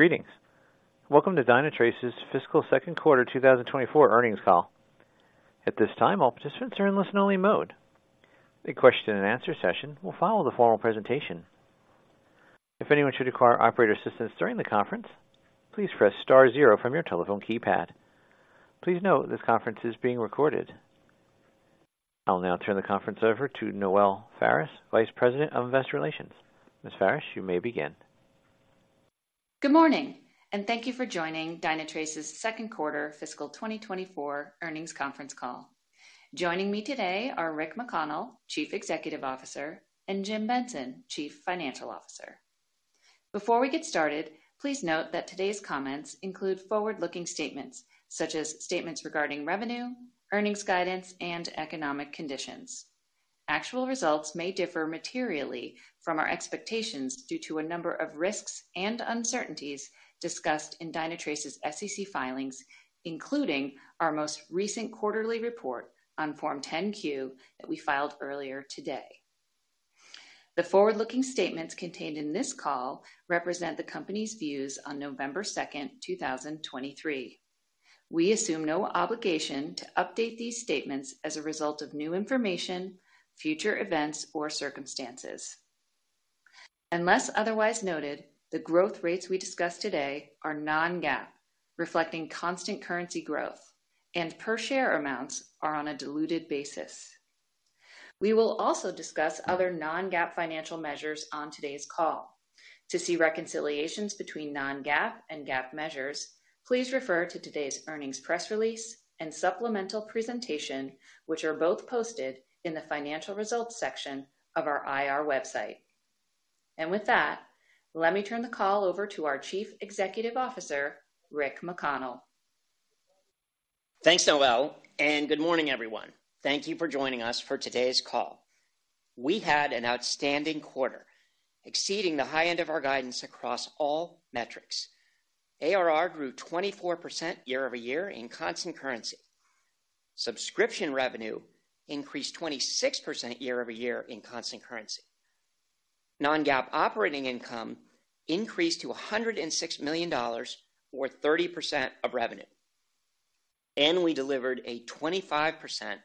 Greetings! Welcome to Dynatrace's fiscal second quarter 2024 earnings call. At this time, all participants are in listen-only mode. A question and answer session will follow the formal presentation. If anyone should require operator assistance during the conference, please press star zero from your telephone keypad. Please note, this conference is being recorded. I'll now turn the conference over to Noelle Faris, Vice President of Investor Relations. Ms. Faris, you may begin. Good morning, and thank you for joining Dynatrace's second quarter fiscal 2024 earnings conference call. Joining me today are Rick McConnell, Chief Executive Officer, and Jim Benson, Chief Financial Officer. Before we get started, please note that today's comments include forward-looking statements, such as statements regarding revenue, earnings, guidance, and economic conditions. Actual results may differ materially from our expectations due to a number of risks and uncertainties discussed in Dynatrace's SEC filings, including our most recent quarterly report on Form 10-Q, that we filed earlier today. The forward-looking statements contained in this call represent the company's views on November 2, 2023. We assume no obligation to update these statements as a result of new information, future events, or circumstances. Unless otherwise noted, the growth rates we discussed today are non-GAAP, reflecting constant currency growth, and per share amounts are on a diluted basis. We will also discuss other non-GAAP financial measures on today's call. To see reconciliations between non-GAAP and GAAP measures, please refer to today's earnings press release and supplemental presentation, which are both posted in the financial results section of our IR website. With that, let me turn the call over to our Chief Executive Officer, Rick McConnell. Thanks, Noelle, and good morning, everyone. Thank you for joining us for today's call. We had an outstanding quarter, exceeding the high end of our guidance across all metrics. ARR grew 24% year-over-year in constant currency. Subscription revenue increased 26% year-over-year in constant currency. Non-GAAP operating income increased to $106 million or 30% of revenue, and we delivered a 25%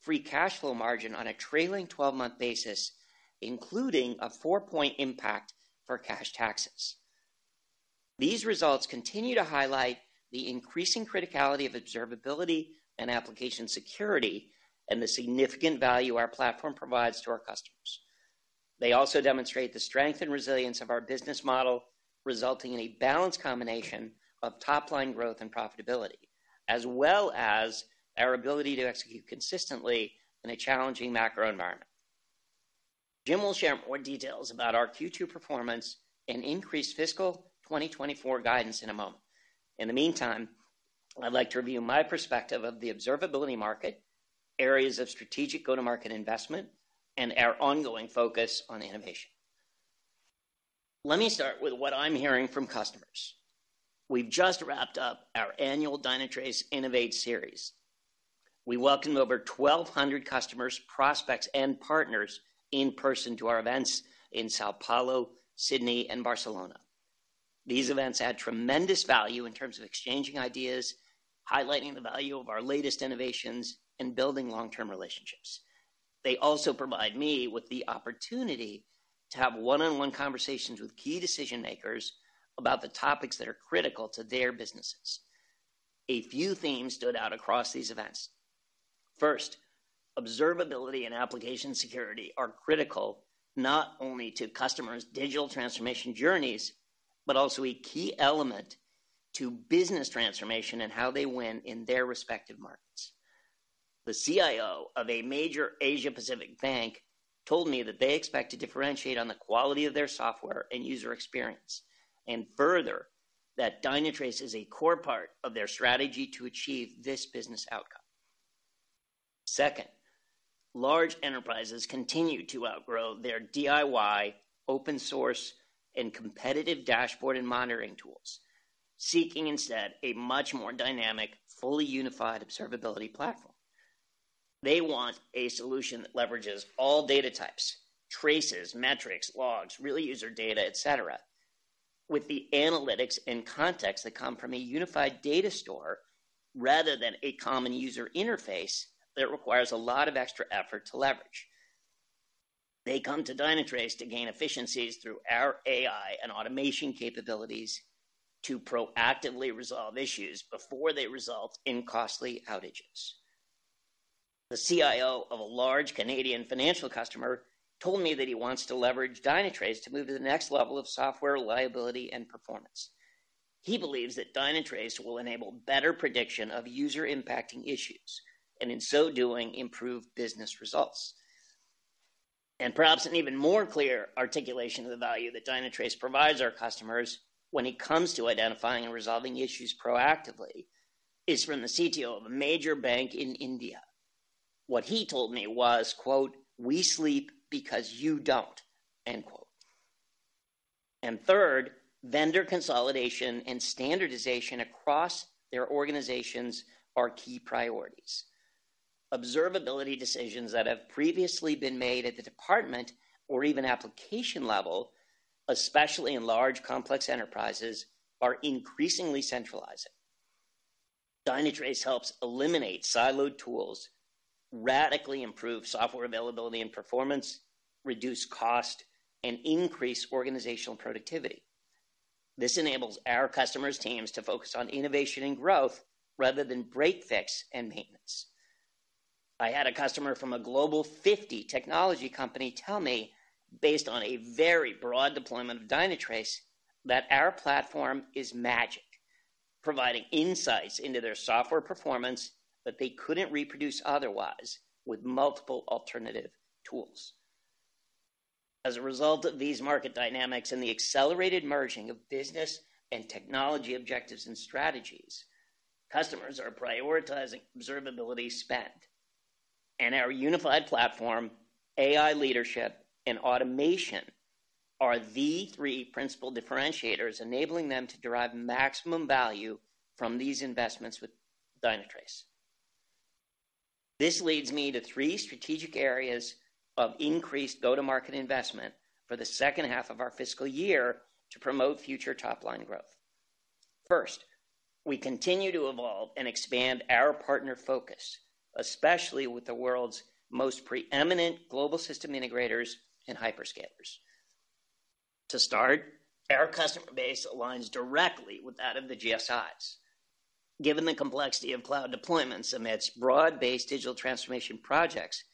free cash flow margin on a trailing 12-month basis, including a four-point impact for cash taxes. These results continue to highlight the increasing criticality of observability and application security, and the significant value our platform provides to our customers. They also demonstrate the strength and resilience of our business model, resulting in a balanced combination of top-line growth and profitability, as well as our ability to execute consistently in a challenging macro environment. Jim will share more details about our Q2 performance and increased fiscal 2024 guidance in a moment. In the meantime, I'd like to review my perspective of the observability market, areas of strategic go-to-market investment, and our ongoing focus on innovation. Let me start with what I'm hearing from customers. We've just wrapped up our annual Dynatrace Innovate Series. We welcomed over 1,200 customers, prospects, and partners in person to our events in São Paulo, Sydney, and Barcelona. These events add tremendous value in terms of exchanging ideas, highlighting the value of our latest innovations, and building long-term relationships. They also provide me with the opportunity to have one-on-one conversations with key decision makers about the topics that are critical to their businesses. A few themes stood out across these events. First, observability and application security are critical not only to customers' digital transformation journeys, but also a key element to business transformation and how they win in their respective markets. The CIO of a major Asia-Pacific bank told me that they expect to differentiate on the quality of their software and user experience, and further, that Dynatrace is a core part of their strategy to achieve this business outcome. Second, large enterprises continue to outgrow their DIY, open source, and competitive dashboard and monitoring tools, seeking instead a much more dynamic, fully unified observability platform. They want a solution that leverages all data types, traces, metrics, logs, really user data, et cetera, with the analytics and context that come from a unified data store, rather than a common user interface that requires a lot of extra effort to leverage. They come to Dynatrace to gain efficiencies through our AI and automation capabilities to proactively resolve issues before they result in costly outages. The CIO of a large Canadian financial customer told me that he wants to leverage Dynatrace to move to the next level of software reliability and performance. He believes that Dynatrace will enable better prediction of user-impacting issues, and in so doing, improve business results. And perhaps an even more clear articulation of the value that Dynatrace provides our customers when it comes to identifying and resolving issues proactively, is from the CTO of a major bank in India. What he told me was, quote, "We sleep because you don't," end quote. And third, vendor consolidation and standardization across their organizations are key priorities.... observability decisions that have previously been made at the department or even application level, especially in large, complex enterprises, are increasingly centralizing. Dynatrace helps eliminate siloed tools, radically improve software availability and performance, reduce cost, and increase organizational productivity. This enables our customers' teams to focus on innovation and growth rather than break/fix, and maintenance. I had a customer from a Global 50 technology company tell me, based on a very broad deployment of Dynatrace, that our platform is magic, providing insights into their software performance that they couldn't reproduce otherwise with multiple alternative tools. As a result of these market dynamics and the accelerated merging of business and technology objectives and strategies, customers are prioritizing observability spend, and our unified platform, AI leadership, and automation are the three principal differentiators, enabling them to derive maximum value from these investments with Dynatrace. This leads me to three strategic areas of increased go-to-market investment for the second half of our fiscal year to promote future top-line growth. First, we continue to evolve and expand our partner focus, especially with the world's most preeminent global system integrators and hyperscalers. To start, our customer base aligns directly with that of the GSIs. Given the complexity of cloud deployments amidst broad-based digital transformation projects,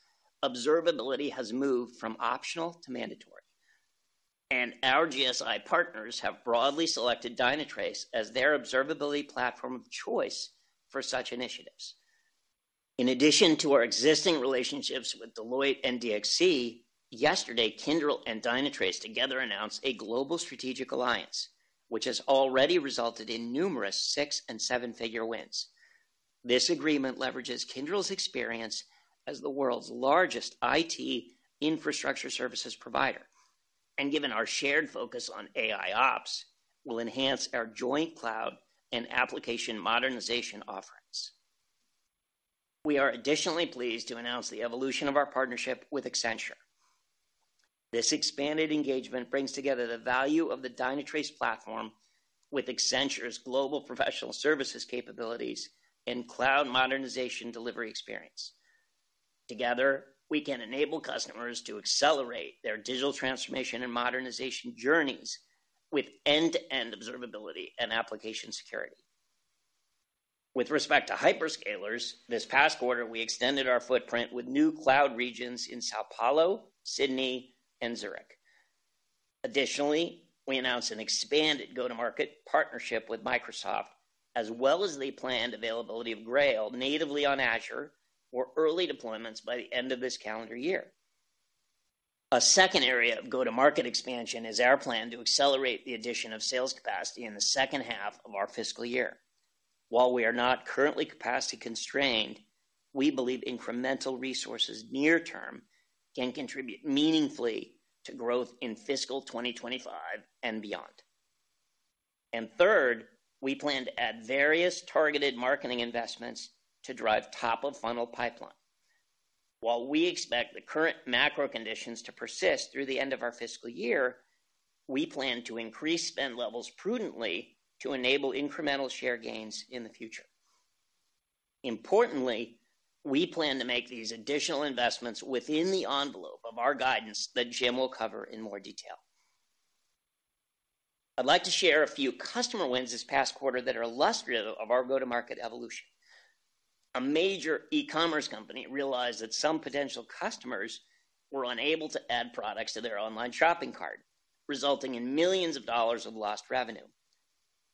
observability has moved from optional to mandatory, and our GSI partners have broadly selected Dynatrace as their observability platform of choice for such initiatives. In addition to our existing relationships with Deloitte and DXC, yesterday, Kyndryl and Dynatrace together announced a global strategic alliance, which has already resulted in numerous six- and seven-figure wins. This agreement leverages Kyndryl's experience as the world's largest IT infrastructure services provider, and given our shared focus on AIOps, will enhance our joint cloud and application modernization offerings. We are additionally pleased to announce the evolution of our partnership with Accenture. This expanded engagement brings together the value of the Dynatrace platform with Accenture's global professional services capabilities and cloud modernization delivery experience. Together, we can enable customers to accelerate their digital transformation and modernization journeys with end-to-end observability and application security. With respect to hyperscalers, this past quarter, we extended our footprint with new cloud regions in São Paulo, Sydney, and Zurich. Additionally, we announced an expanded go-to-market partnership with Microsoft, as well as the planned availability of Grail natively on Azure for early deployments by the end of this calendar year. A second area of go-to-market expansion is our plan to accelerate the addition of sales capacity in the second half of our fiscal year. While we are not currently capacity constrained, we believe incremental resources near term can contribute meaningfully to growth in fiscal 2025 and beyond. And third, we plan to add various targeted marketing investments to drive top-of-funnel pipeline. While we expect the current macro conditions to persist through the end of our fiscal year, we plan to increase spend levels prudently to enable incremental share gains in the future. Importantly, we plan to make these additional investments within the envelope of our guidance that Jim will cover in more detail. I'd like to share a few customer wins this past quarter that are illustrative of our go-to-market evolution. A major e-commerce company realized that some potential customers were unable to add products to their online shopping cart, resulting in millions of dollars of lost revenue.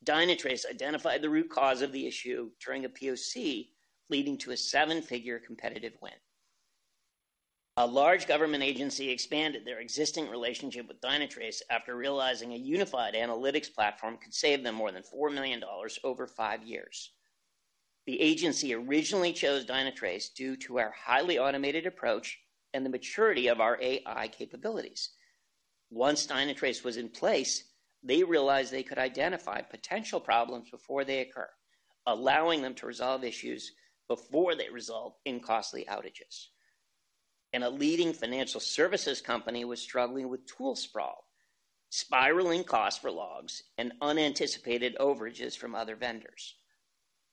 Dynatrace identified the root cause of the issue during a POC, leading to a seven-figure competitive win. A large government agency expanded their existing relationship with Dynatrace after realizing a unified analytics platform could save them more than $4 million over five years. The agency originally chose Dynatrace due to our highly automated approach and the maturity of our AI capabilities. Once Dynatrace was in place, they realized they could identify potential problems before they occur, allowing them to resolve issues before they result in costly outages. A leading financial services company was struggling with tool sprawl, spiraling costs for logs, and unanticipated overages from other vendors.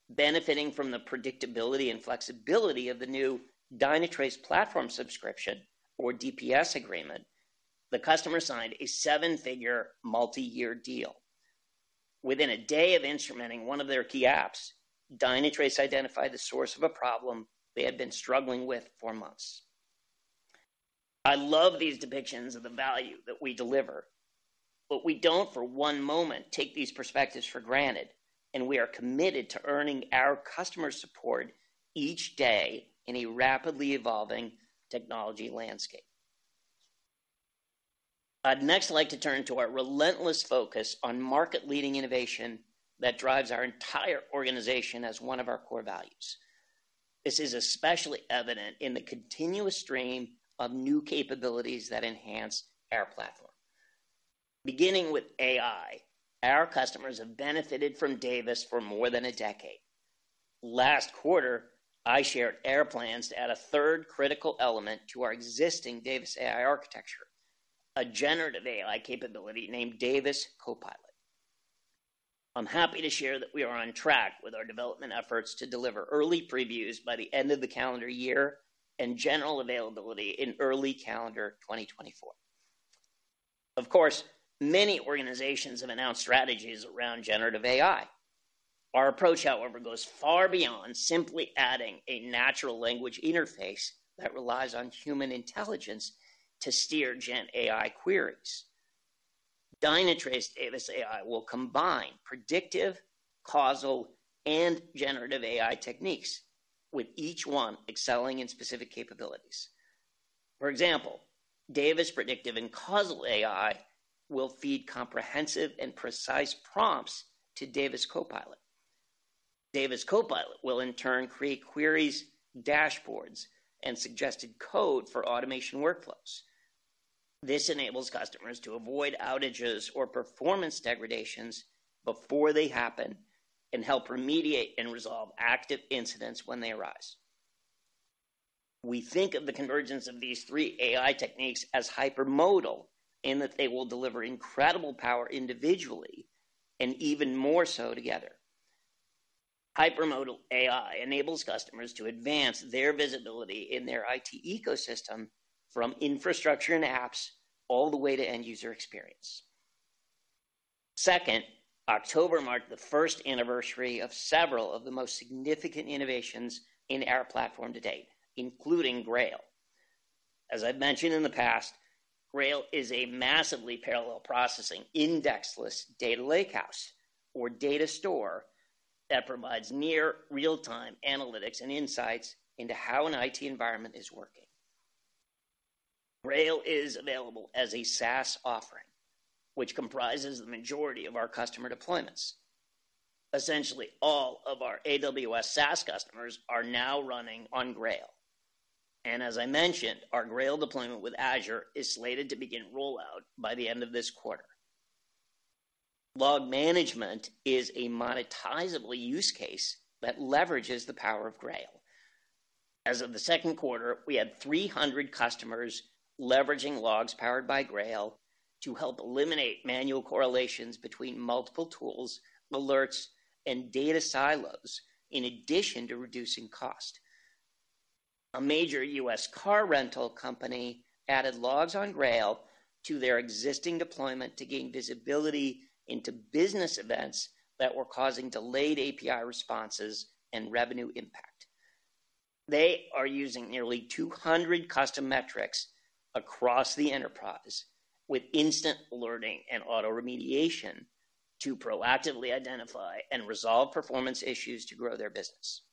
Benefiting from the predictability and flexibility of the new Dynatrace Platform Subscription, or DPS agreement, the customer signed a seven-figure, multi-year deal. Within a day of instrumenting one of their key apps, Dynatrace identified the source of a problem they had been struggling with for months. I love these depictions of the value that we deliver, but we don't for one moment take these perspectives for granted, and we are committed to earning our customer support each day in a rapidly evolving technology landscape. I'd next like to turn to our relentless focus on market-leading innovation that drives our entire organization as one of our core values. This is especially evident in the continuous stream of new capabilities that enhance our platform.... Beginning with AI, our customers have benefited from Davis for more than a decade. Last quarter, I shared our plans to add a third critical element to our existing Davis AI architecture, a generative AI capability named Davis Copilot. I'm happy to share that we are on track with our development efforts to deliver early previews by the end of the calendar year and general availability in early calendar 2024. Of course, many organizations have announced strategies around generative AI. Our approach, however, goes far beyond simply adding a natural language interface that relies on human intelligence to steer gen AI queries. Dynatrace Davis AI will combine predictive, causal, and generative AI techniques, with each one excelling in specific capabilities. For example, Davis predictive and causal AI will feed comprehensive and precise prompts to Davis Copilot. Davis Copilot will, in turn, create queries, dashboards, and suggested code for automation workflows. This enables customers to avoid outages or performance degradations before they happen and help remediate and resolve active incidents when they arise. We think of the convergence of these three AI techniques as Hypermodal, in that they will deliver incredible power individually and even more so together. Hypermodal AI enables customers to advance their visibility in their IT ecosystem from infrastructure and apps all the way to end-user experience. Second, October marked the first anniversary of several of the most significant innovations in our platform to date, including Grail. As I've mentioned in the past, Grail is a massively parallel processing, indexless data lakehouse or data store that provides near real-time analytics and insights into how an IT environment is working. Grail is available as a SaaS offering, which comprises the majority of our customer deployments. Essentially, all of our AWS SaaS customers are now running on Grail, and as I mentioned, our Grail deployment with Azure is slated to begin rollout by the end of this quarter. Log management is a monetizable use case that leverages the power of Grail. As of the second quarter, we had 300 customers leveraging logs powered by Grail to help eliminate manual correlations between multiple tools, alerts, and data silos, in addition to reducing cost. A major U.S. car rental company added Logs on Grail to their existing deployment to gain visibility into business events that were causing delayed API responses and revenue impact. They are using nearly 200 custom metrics across the enterprise, with instant alerting and auto remediation to proactively identify and resolve performance issues to grow their business.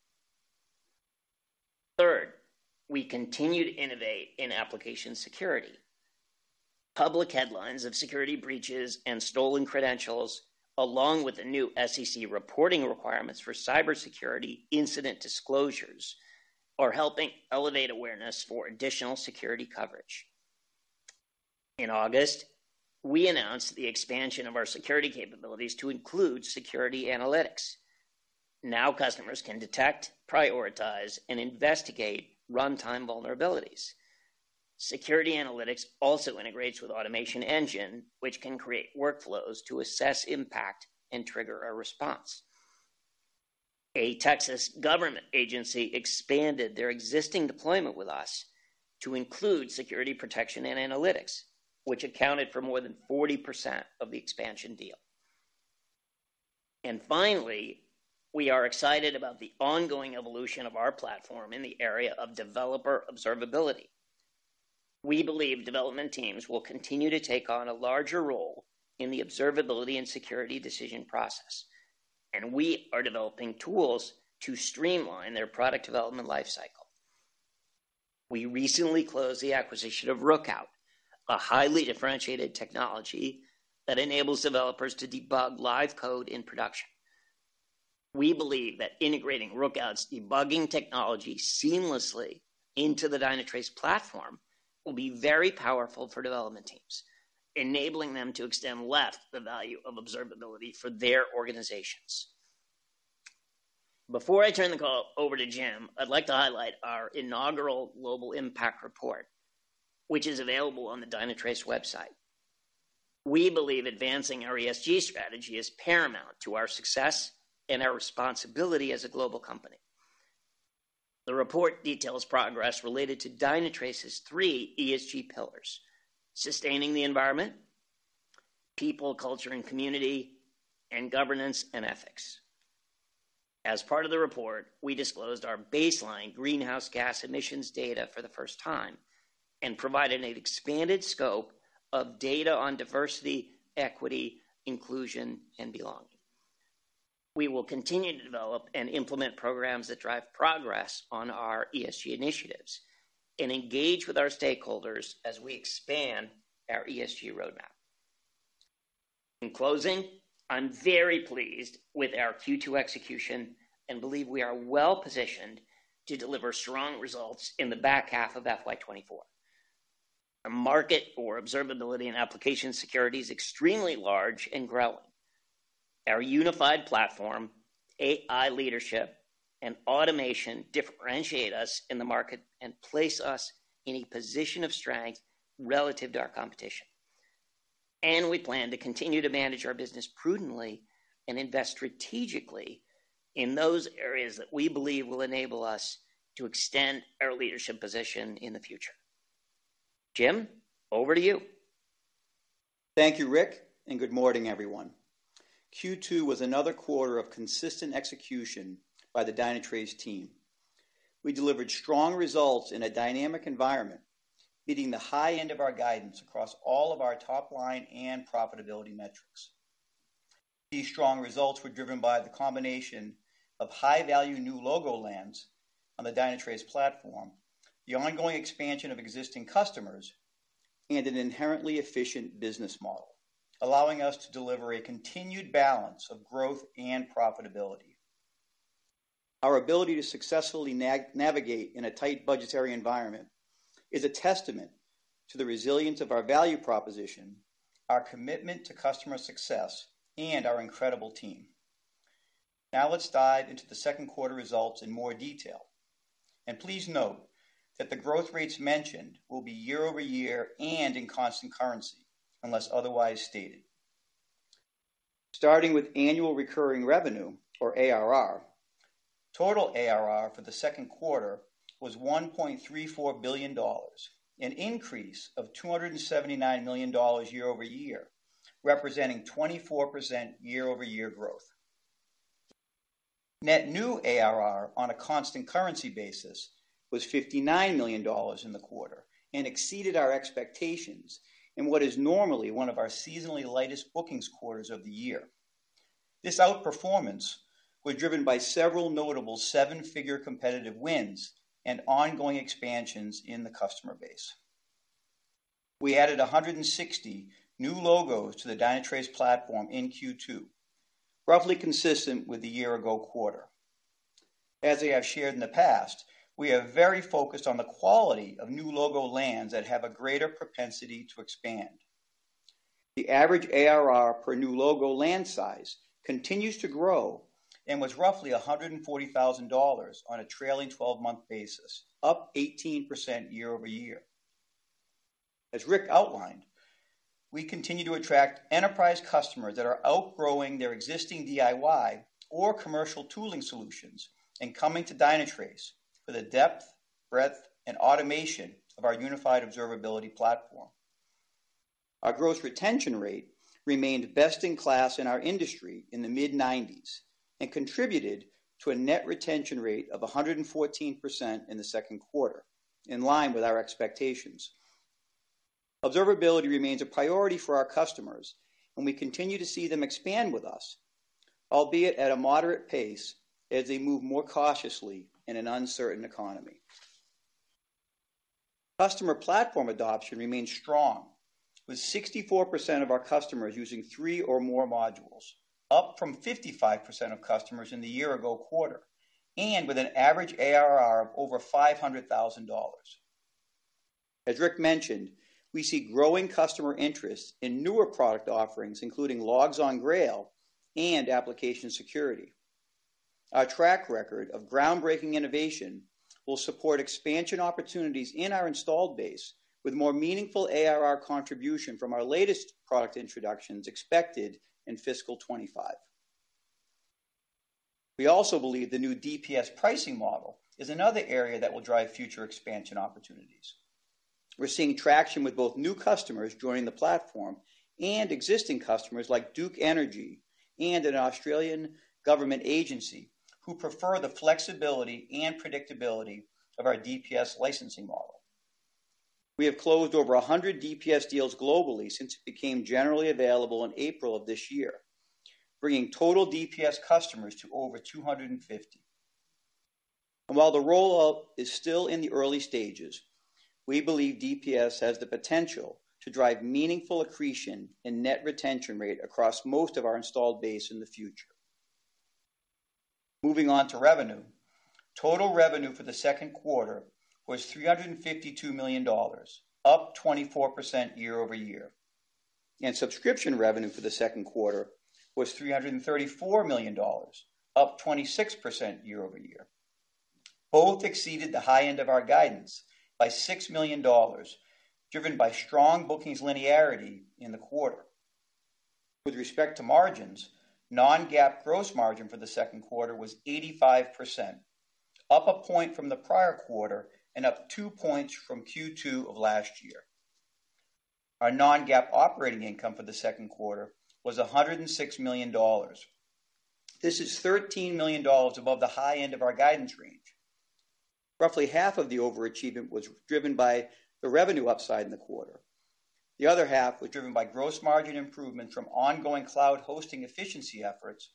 Third, we continue to innovate in application security. Public headlines of security breaches and stolen credentials, along with the new SEC reporting requirements for cybersecurity incident disclosures, are helping elevate awareness for additional security coverage. In August, we announced the expansion of our security capabilities to include Security Analytics. Now customers can detect, prioritize, and investigate runtime vulnerabilities. Security Analytics also integrates with Automation Engine, which can create workflows to assess impact and trigger a response. A Texas government agency expanded their existing deployment with us to include security protection and analytics, which accounted for more than 40% of the expansion deal. Finally, we are excited about the ongoing evolution of our platform in the area of developer observability. We believe development teams will continue to take on a larger role in the observability and security decision process, and we are developing tools to streamline their product development lifecycle. We recently closed the acquisition of Rookout, a highly differentiated technology that enables developers to debug live code in production. We believe that integrating Rookout's debugging technology seamlessly into the Dynatrace platform will be very powerful for development teams, enabling them to shift left the value of observability for their organizations. Before I turn the call over to Jim, I'd like to highlight our inaugural Global Impact Report, which is available on the Dynatrace website. We believe advancing our ESG strategy is paramount to our success and our responsibility as a global company. The report details progress related to Dynatrace's three ESG pillars: sustaining the environment, people, culture, and community, and governance and ethics. As part of the report, we disclosed our baseline greenhouse gas emissions data for the first time and provided an expanded scope of data on diversity, equity, inclusion, and belonging. We will continue to develop and implement programs that drive progress on our ESG initiatives and engage with our stakeholders as we expand our ESG roadmap…. In closing, I'm very pleased with our Q2 execution, and believe we are well-positioned to deliver strong results in the back half of FY 2024. The market for observability and application security is extremely large and growing. Our unified platform, AI leadership, and automation differentiate us in the market and place us in a position of strength relative to our competition. We plan to continue to manage our business prudently and invest strategically in those areas that we believe will enable us to extend our leadership position in the future. Jim, over to you. Thank you, Rick, and good morning, everyone. Q2 was another quarter of consistent execution by the Dynatrace team. We delivered strong results in a dynamic environment, meeting the high end of our guidance across all of our top line and profitability metrics. These strong results were driven by the combination of high-value new logo lands on the Dynatrace platform, the ongoing expansion of existing customers, and an inherently efficient business model, allowing us to deliver a continued balance of growth and profitability. Our ability to successfully navigate in a tight budgetary environment is a testament to the resilience of our value proposition, our commitment to customer success, and our incredible team. Now, let's dive into the second quarter results in more detail. Please note that the growth rates mentioned will be year-over-year and in constant currency, unless otherwise stated. Starting with annual recurring revenue, or ARR. Total ARR for the second quarter was $1.34 billion, an increase of $279 million year over year, representing 24% year-over-year growth. Net new ARR on a constant currency basis was $59 million in the quarter, and exceeded our expectations in what is normally one of our seasonally lightest bookings quarters of the year. This outperformance was driven by several notable seven-figure competitive wins and ongoing expansions in the customer base. We added 160 new logos to the Dynatrace platform in Q2, roughly consistent with the year-ago quarter. As I have shared in the past, we are very focused on the quality of new logo lands that have a greater propensity to expand. The average ARR per new logo land size continues to grow and was roughly $140,000 on a trailing 12-month basis, up 18% year-over-year. As Rick outlined, we continue to attract enterprise customers that are outgrowing their existing DIY or commercial tooling solutions and coming to Dynatrace for the depth, breadth, and automation of our unified observability platform. Our gross retention rate remained best-in-class in our industry in the mid-90s and contributed to a net retention rate of 114% in the second quarter, in line with our expectations. Observability remains a priority for our customers, and we continue to see them expand with us, albeit at a moderate pace, as they move more cautiously in an uncertain economy. Customer platform adoption remains strong, with 64% of our customers using three or more modules, up from 55% of customers in the year-ago quarter, and with an average ARR of over $500,000. As Rick mentioned, we see growing customer interest in newer product offerings, including Logs on Grail and application security. Our track record of groundbreaking innovation will support expansion opportunities in our installed base, with more meaningful ARR contribution from our latest product introductions expected in fiscal 2025. We also believe the new DPS pricing model is another area that will drive future expansion opportunities. We're seeing traction with both new customers joining the platform and existing customers like Duke Energy and an Australian government agency, who prefer the flexibility and predictability of our DPS licensing model. We have closed over 100 DPS deals globally since it became generally available in April of this year, bringing total DPS customers to over 250. While the rollout is still in the early stages, we believe DPS has the potential to drive meaningful accretion and net retention rate across most of our installed base in the future. Moving on to revenue. Total revenue for the second quarter was $352 million, up 24% year-over-year. Subscription revenue for the second quarter was $334 million, up 26% year-over-year. Both exceeded the high end of our guidance by $6 million, driven by strong bookings linearity in the quarter. With respect to margins, non-GAAP gross margin for the second quarter was 85%, up one point from the prior quarter and up two points from Q2 of last year. Our non-GAAP operating income for the second quarter was $106 million. This is $13 million above the high end of our guidance range. Roughly half of the overachievement was driven by the revenue upside in the quarter. The other half was driven by gross margin improvement from ongoing cloud hosting efficiency efforts,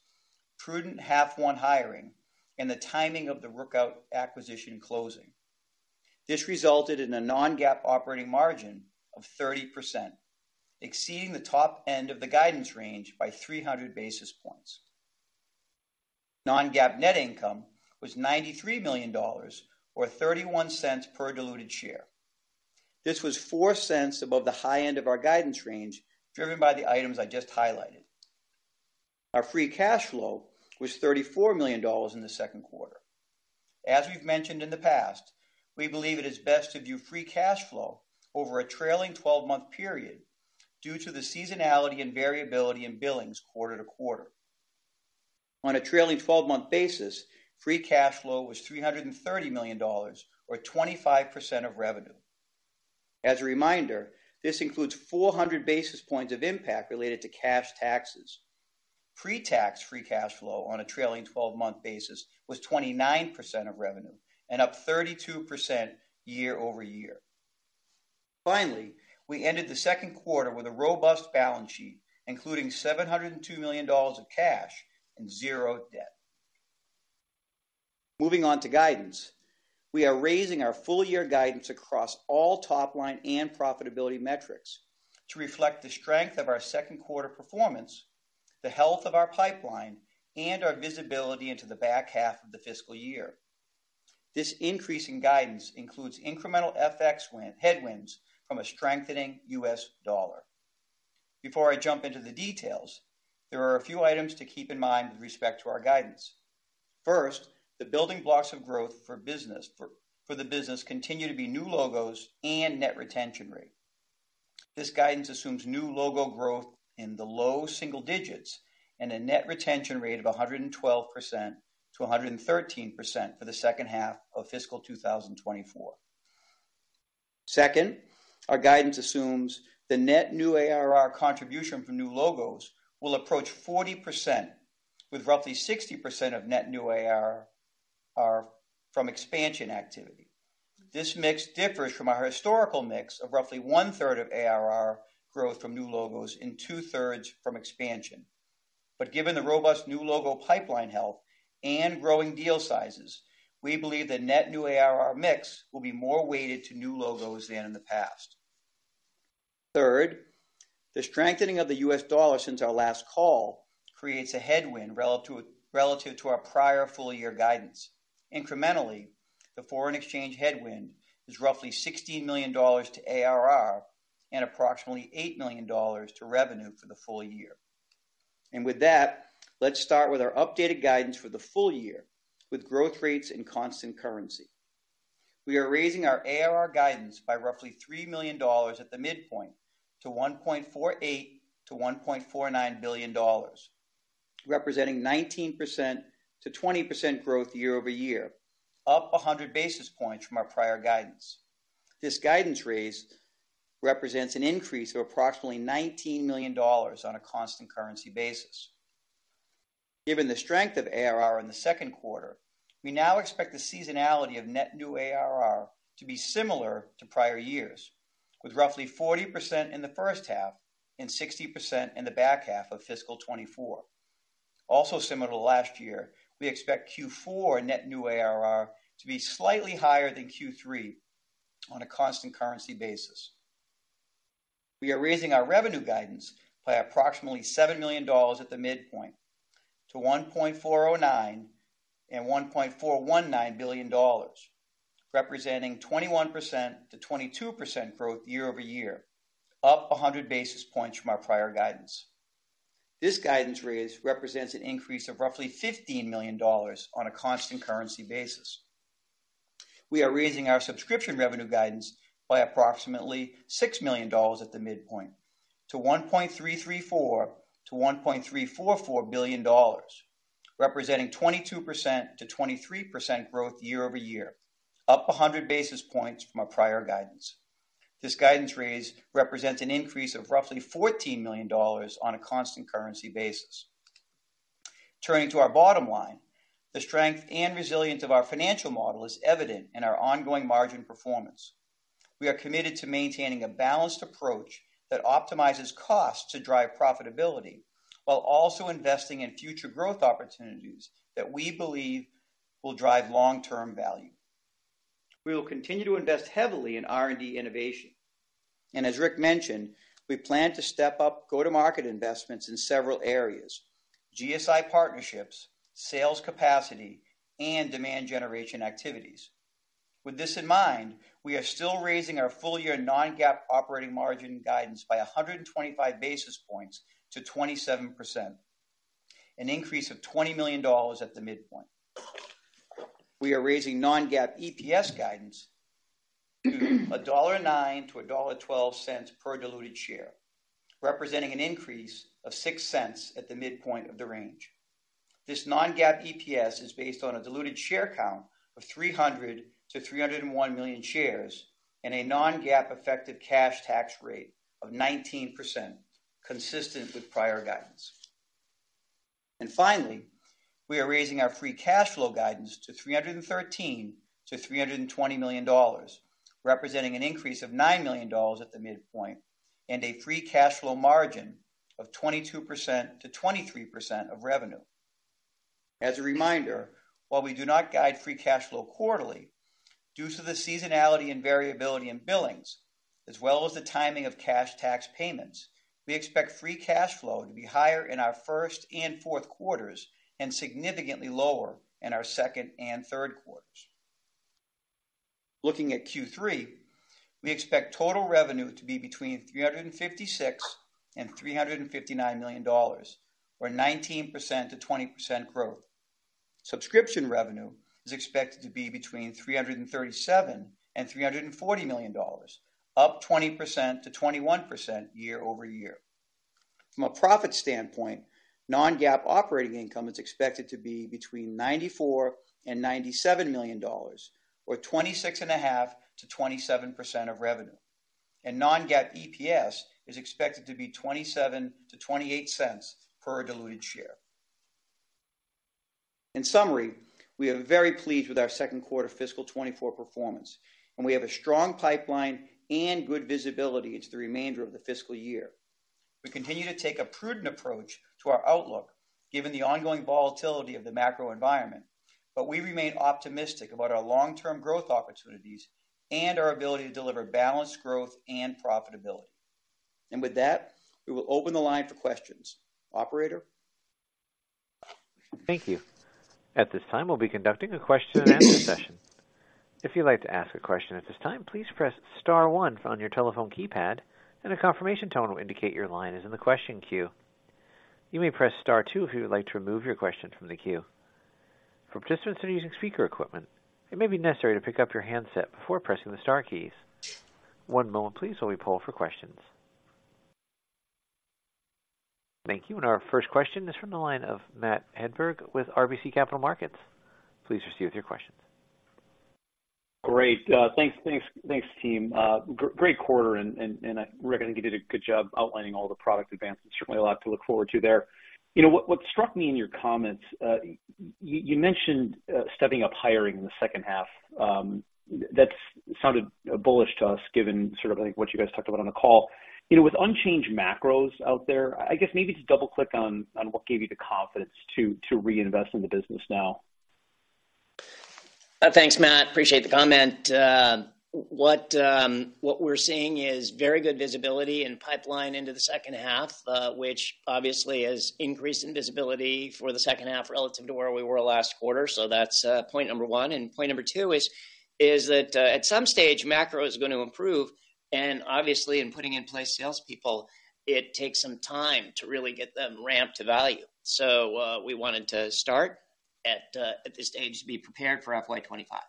prudent H1 hiring, and the timing of the Rookout acquisition closing. This resulted in a non-GAAP operating margin of 30%, exceeding the top end of the guidance range by 300 basis points. Non-GAAP net income was $93 million or $0.31 per diluted share. This was $0.04 above the high end of our guidance range, driven by the items I just highlighted. Our free cash flow was $34 million in the second quarter. As we've mentioned in the past, we believe it is best to view free cash flow over a trailing 12-month period due to the seasonality and variability in billings quarter to quarter. On a trailing 12-month basis, free cash flow was $330 million or 25% of revenue. As a reminder, this includes 400 basis points of impact related to cash taxes. Pre-tax free cash flow on a trailing 12-month basis was 29% of revenue and up 32% year-over-year. Finally, we ended the second quarter with a robust balance sheet, including $702 million of cash and zero debt. Moving on to guidance. We are raising our full-year guidance across all top line and profitability metrics to reflect the strength of our second quarter performance, the health of our pipeline, and our visibility into the back half of the fiscal year. This increase in guidance includes incremental FX headwinds from a strengthening U.S. dollar. Before I jump into the details, there are a few items to keep in mind with respect to our guidance. First, the building blocks of growth for the business continue to be new logos and net retention rate. This guidance assumes new logo growth in the low single digits and a net retention rate of 112%-113% for the second half of fiscal 2024. Second, our guidance assumes the net new ARR contribution from new logos will approach 40%, with roughly 60% of net new ARR are from expansion activity. This mix differs from our historical mix of roughly 1/3 of ARR growth from new logos and 2/3 from expansion. But given the robust new logo pipeline health and growing deal sizes, we believe the net new ARR mix will be more weighted to new logos than in the past. Third, the strengthening of the U.S. dollar since our last call creates a headwind relative to, relative to our prior full-year guidance. Incrementally, the foreign exchange headwind is roughly $16 million to ARR and approximately $8 million to revenue for the full year. With that, let's start with our updated guidance for the full year, with growth rates in constant currency. We are raising our ARR guidance by roughly $3 million at the midpoint to $1.48 billion-$1.49 billion, representing 19%-20% growth year-over-year, up 100 basis points from our prior guidance. This guidance raise represents an increase of approximately $19 million on a constant currency basis. Given the strength of ARR in the second quarter, we now expect the seasonality of net new ARR to be similar to prior years, with roughly 40% in the first half and 60% in the back half of fiscal 2024. Also similar to last year, we expect Q4 net new ARR to be slightly higher than Q3 on a constant currency basis. We are raising our revenue guidance by approximately $7 million at the midpoint to $1.409 billion-$1.419 billion, representing 21%-22% growth year-over-year, up 100 basis points from our prior guidance. This guidance raise represents an increase of roughly $15 million on a constant currency basis. We are raising our subscription revenue guidance by approximately $6 million at the midpoint to $1.334 billion-$1.344 billion, representing 22%-23% growth year-over-year, up 100 basis points from our prior guidance. This guidance raise represents an increase of roughly $14 million on a constant currency basis. Turning to our bottom line, the strength and resilience of our financial model is evident in our ongoing margin performance. We are committed to maintaining a balanced approach that optimizes costs to drive profitability, while also investing in future growth opportunities that we believe will drive long-term value. We will continue to invest heavily in R&D innovation. And as Rick mentioned, we plan to step up go-to-market investments in several areas: GSI partnerships, sales capacity, and demand generation activities. With this in mind, we are still raising our full-year non-GAAP operating margin guidance by 125 basis points to 27%, an increase of $20 million at the midpoint. We are raising non-GAAP EPS guidance to $1.09-$1.12 per diluted share, representing an increase of $0.06 at the midpoint of the range. This non-GAAP EPS is based on a diluted share count of 300-301 million shares and a non-GAAP effective cash tax rate of 19%, consistent with prior guidance. And finally, we are raising our free cash flow guidance to $313 million-$320 million, representing an increase of $9 million at the midpoint and a free cash flow margin of 22%-23% of revenue. ...As a reminder, while we do not guide free cash flow quarterly, due to the seasonality and variability in billings, as well as the timing of cash tax payments, we expect free cash flow to be higher in our first and fourth quarters, and significantly lower in our second and third quarters. Looking at Q3, we expect total revenue to be between $356 million and $359 million, or 19%-20% growth. Subscription revenue is expected to be between $337 million and $340 million, up 20%-21% year-over-year. From a profit standpoint, non-GAAP operating income is expected to be between $94 million and $97 million, or 26.5%-27% of revenue, and non-GAAP EPS is expected to be $0.27-$0.28 per diluted share. In summary, we are very pleased with our second quarter fiscal 2024 performance, and we have a strong pipeline and good visibility into the remainder of the fiscal year. We continue to take a prudent approach to our outlook, given the ongoing volatility of the macro environment, but we remain optimistic about our long-term growth opportunities and our ability to deliver balanced growth and profitability. With that, we will open the line for questions. Operator? Thank you. At this time, we'll be conducting a question and answer session. If you'd like to ask a question at this time, please press star one on your telephone keypad, and a confirmation tone will indicate your line is in the question queue. You may press star two if you would like to remove your question from the queue. For participants that are using speaker equipment, it may be necessary to pick up your handset before pressing the star keys. One moment, please, while we poll for questions. Thank you. And our first question is from the line of Matt Hedberg with RBC Capital Markets. Please proceed with your questions. Great. Thanks, thanks, thanks, team. Great quarter, and I reckon you did a good job outlining all the product advances. Certainly a lot to look forward to there. You know, what struck me in your comments, you mentioned stepping up hiring in the second half. That sounded bullish to us, given sort of like what you guys talked about on the call. You know, with unchanged macros out there, I guess maybe just double-click on what gave you the confidence to reinvest in the business now. Thanks, Matt. Appreciate the comment. What we're seeing is very good visibility and pipeline into the second half, which obviously has increased in visibility for the second half relative to where we were last quarter. So that's point number one. And point number two is that at some stage, macro is going to improve, and obviously in putting in place salespeople, it takes some time to really get them ramped to value. So we wanted to start at this stage to be prepared for FY 2025.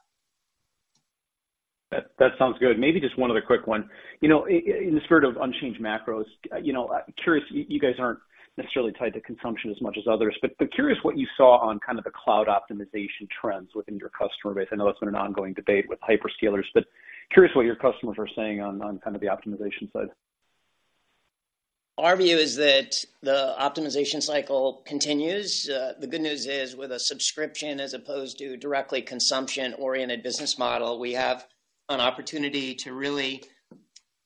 That sounds good. Maybe just one other quick one. You know, in the spirit of unchanged macros, you know, curious, you guys aren't necessarily tied to consumption as much as others, but curious what you saw on kind of the cloud optimization trends within your customer base. I know that's been an ongoing debate with hyperscalers, but curious what your customers are saying on kind of the optimization side. Our view is that the optimization cycle continues. The good news is, with a subscription, as opposed to directly consumption-oriented business model, we have an opportunity to really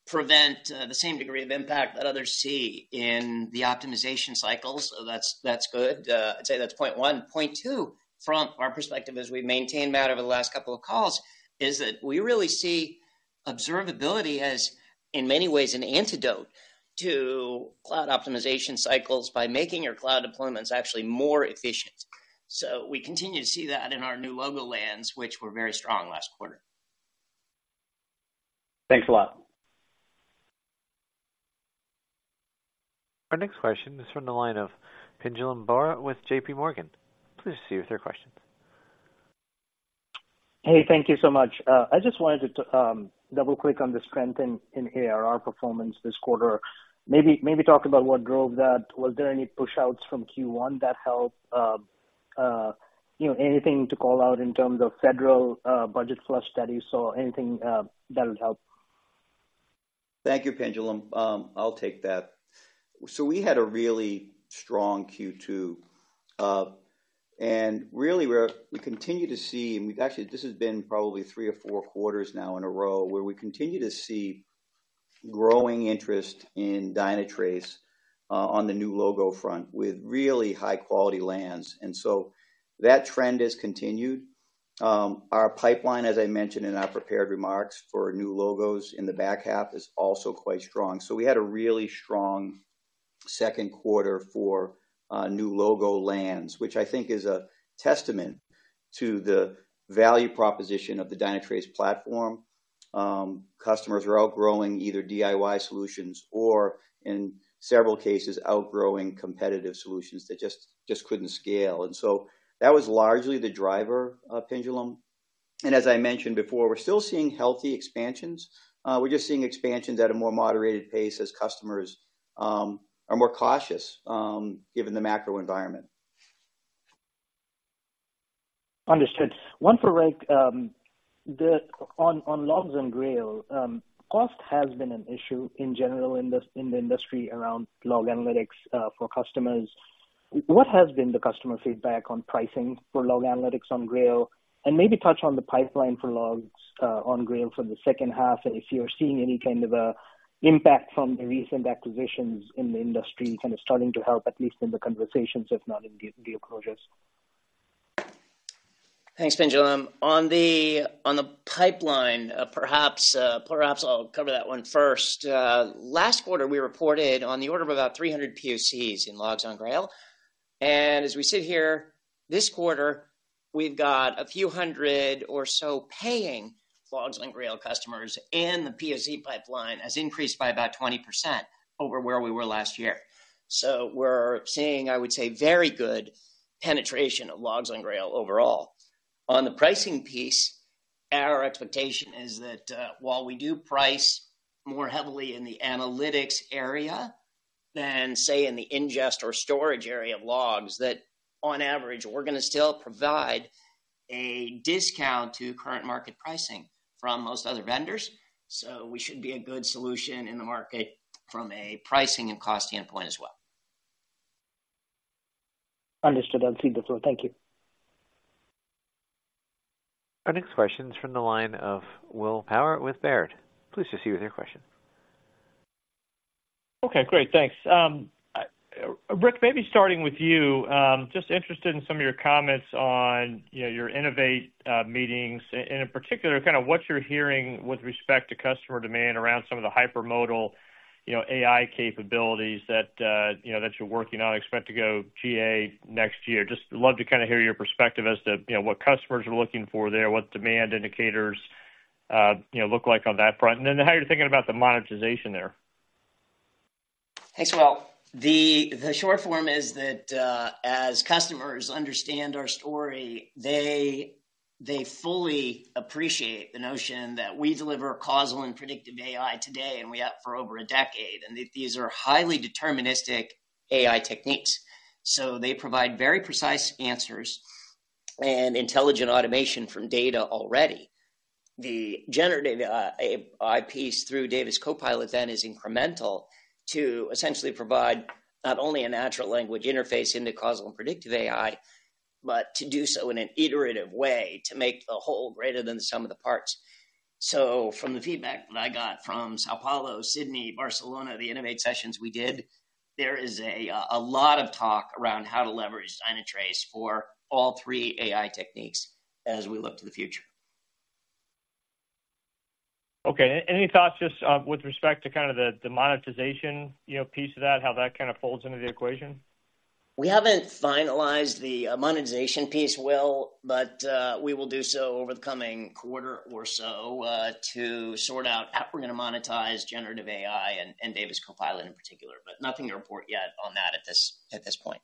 prevent the same degree of impact that others see in the optimization cycles. So that's, that's good. I'd say that's point one. Point two, from our perspective, as we've maintained, Matt, over the last couple of calls, is that we really see observability as, in many ways, an antidote to cloud optimization cycles by making your cloud deployments actually more efficient. So we continue to see that in our new logo lands, which were very strong last quarter. Thanks a lot. Our next question is from the line of Pinjalim Bora with JPMorgan. Please proceed with your question. Hey, thank you so much. I just wanted to double-click on the strength in ARR performance this quarter. Maybe talk about what drove that. Was there any push outs from Q1 that helped? You know, anything to call out in terms of federal budget flush that you saw? Anything that would help? Thank you, Pinjalim. I'll take that. So we had a really strong Q2. And really, we continue to see, and we've actually... This has been probably three or four quarters now in a row, where we continue to see growing interest in Dynatrace on the new logo front, with really high-quality lands. And so that trend has continued. Our pipeline, as I mentioned in our prepared remarks, for new logos in the back half, is also quite strong. So we had a really strong second quarter for new logo lands, which I think is a testament to the value proposition of the Dynatrace platform. Customers are outgrowing either DIY solutions or, in several cases, outgrowing competitive solutions that just couldn't scale. And so that was largely the driver, Pinjalim. And as I mentioned before, we're still seeing healthy expansions. We're just seeing expansions at a more moderated pace as customers are more cautious given the macro environment. Understood. One for Rick. The one on logs and Grail, cost has been an issue in general in the industry around log analytics for customers. What has been the customer feedback on pricing for log analytics on Grail? And maybe touch on the pipeline for Logs on Grail for the second half, and if you're seeing any kind of an impact from the recent acquisitions in the industry, kind of starting to help, at least in the conversations, if not in the deal closures.... Thanks, Pinjalim. On the pipeline, perhaps I'll cover that one first. Last quarter, we reported on the order of about 300 POCs in Logs on Grail. And as we sit here this quarter, we've got a few hundred or so paying Logs on Grail customers, and the POC pipeline has increased by about 20% over where we were last year. So we're seeing, I would say, very good penetration of Logs on Grail overall. On the pricing piece, our expectation is that, while we do price more heavily in the analytics area than, say, in the ingest or storage area of logs, that on average, we're gonna still provide a discount to current market pricing from most other vendors. So we should be a good solution in the market from a pricing and cost standpoint as well. Understood. I see that well. Thank you. Our next question is from the line of Will Power with Baird. Please proceed with your question. Okay, great. Thanks. Rick, maybe starting with you, just interested in some of your comments on, you know, your Innovate meetings, and in particular, kinda what you're hearing with respect to customer demand around some of the hypermodal, you know, AI capabilities that, you know, that you're working on, expect to go GA next year. Just love to kinda hear your perspective as to, you know, what customers are looking for there, what demand indicators, you know, look like on that front, and then how you're thinking about the monetization there. Thanks, Will. The short form is that as customers understand our story, they fully appreciate the notion that we deliver causal and predictive AI today, and we have for over a decade, and these are highly deterministic AI techniques. So they provide very precise answers and intelligent automation from data already. The generative AI piece through Davis Copilot then is incremental to essentially provide not only a natural language interface into causal and predictive AI, but to do so in an iterative way, to make the whole greater than the sum of the parts. So from the feedback that I got from São Paulo, Sydney, Barcelona, the innovate sessions we did, there is a lot of talk around how to leverage Dynatrace for all three AI techniques as we look to the future. Okay. Any thoughts, just, with respect to kind of the, the monetization, you know, piece of that, how that kind of folds into the equation? We haven't finalized the monetization piece, Will, but we will do so over the coming quarter or so to sort out how we're gonna monetize generative AI and Davis Copilot in particular, but nothing to report yet on that at this point.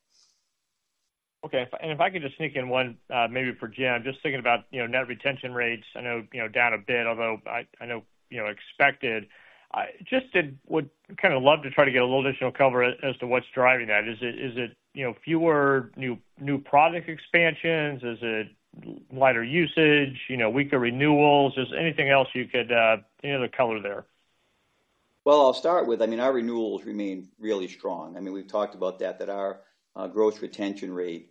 Okay. If I could just sneak in one, maybe for Jim, just thinking about, you know, net retention rates. I know, you know, down a bit, although I know, you know, expected. I would kinda love to try to get a little additional cover as to what's driving that. Is it, you know, fewer new product expansions? Is it lighter usage, you know, weaker renewals? Just anything else you could, any other color there? Well, I'll start with, I mean, our renewals remain really strong. I mean, we've talked about that, that our gross retention rate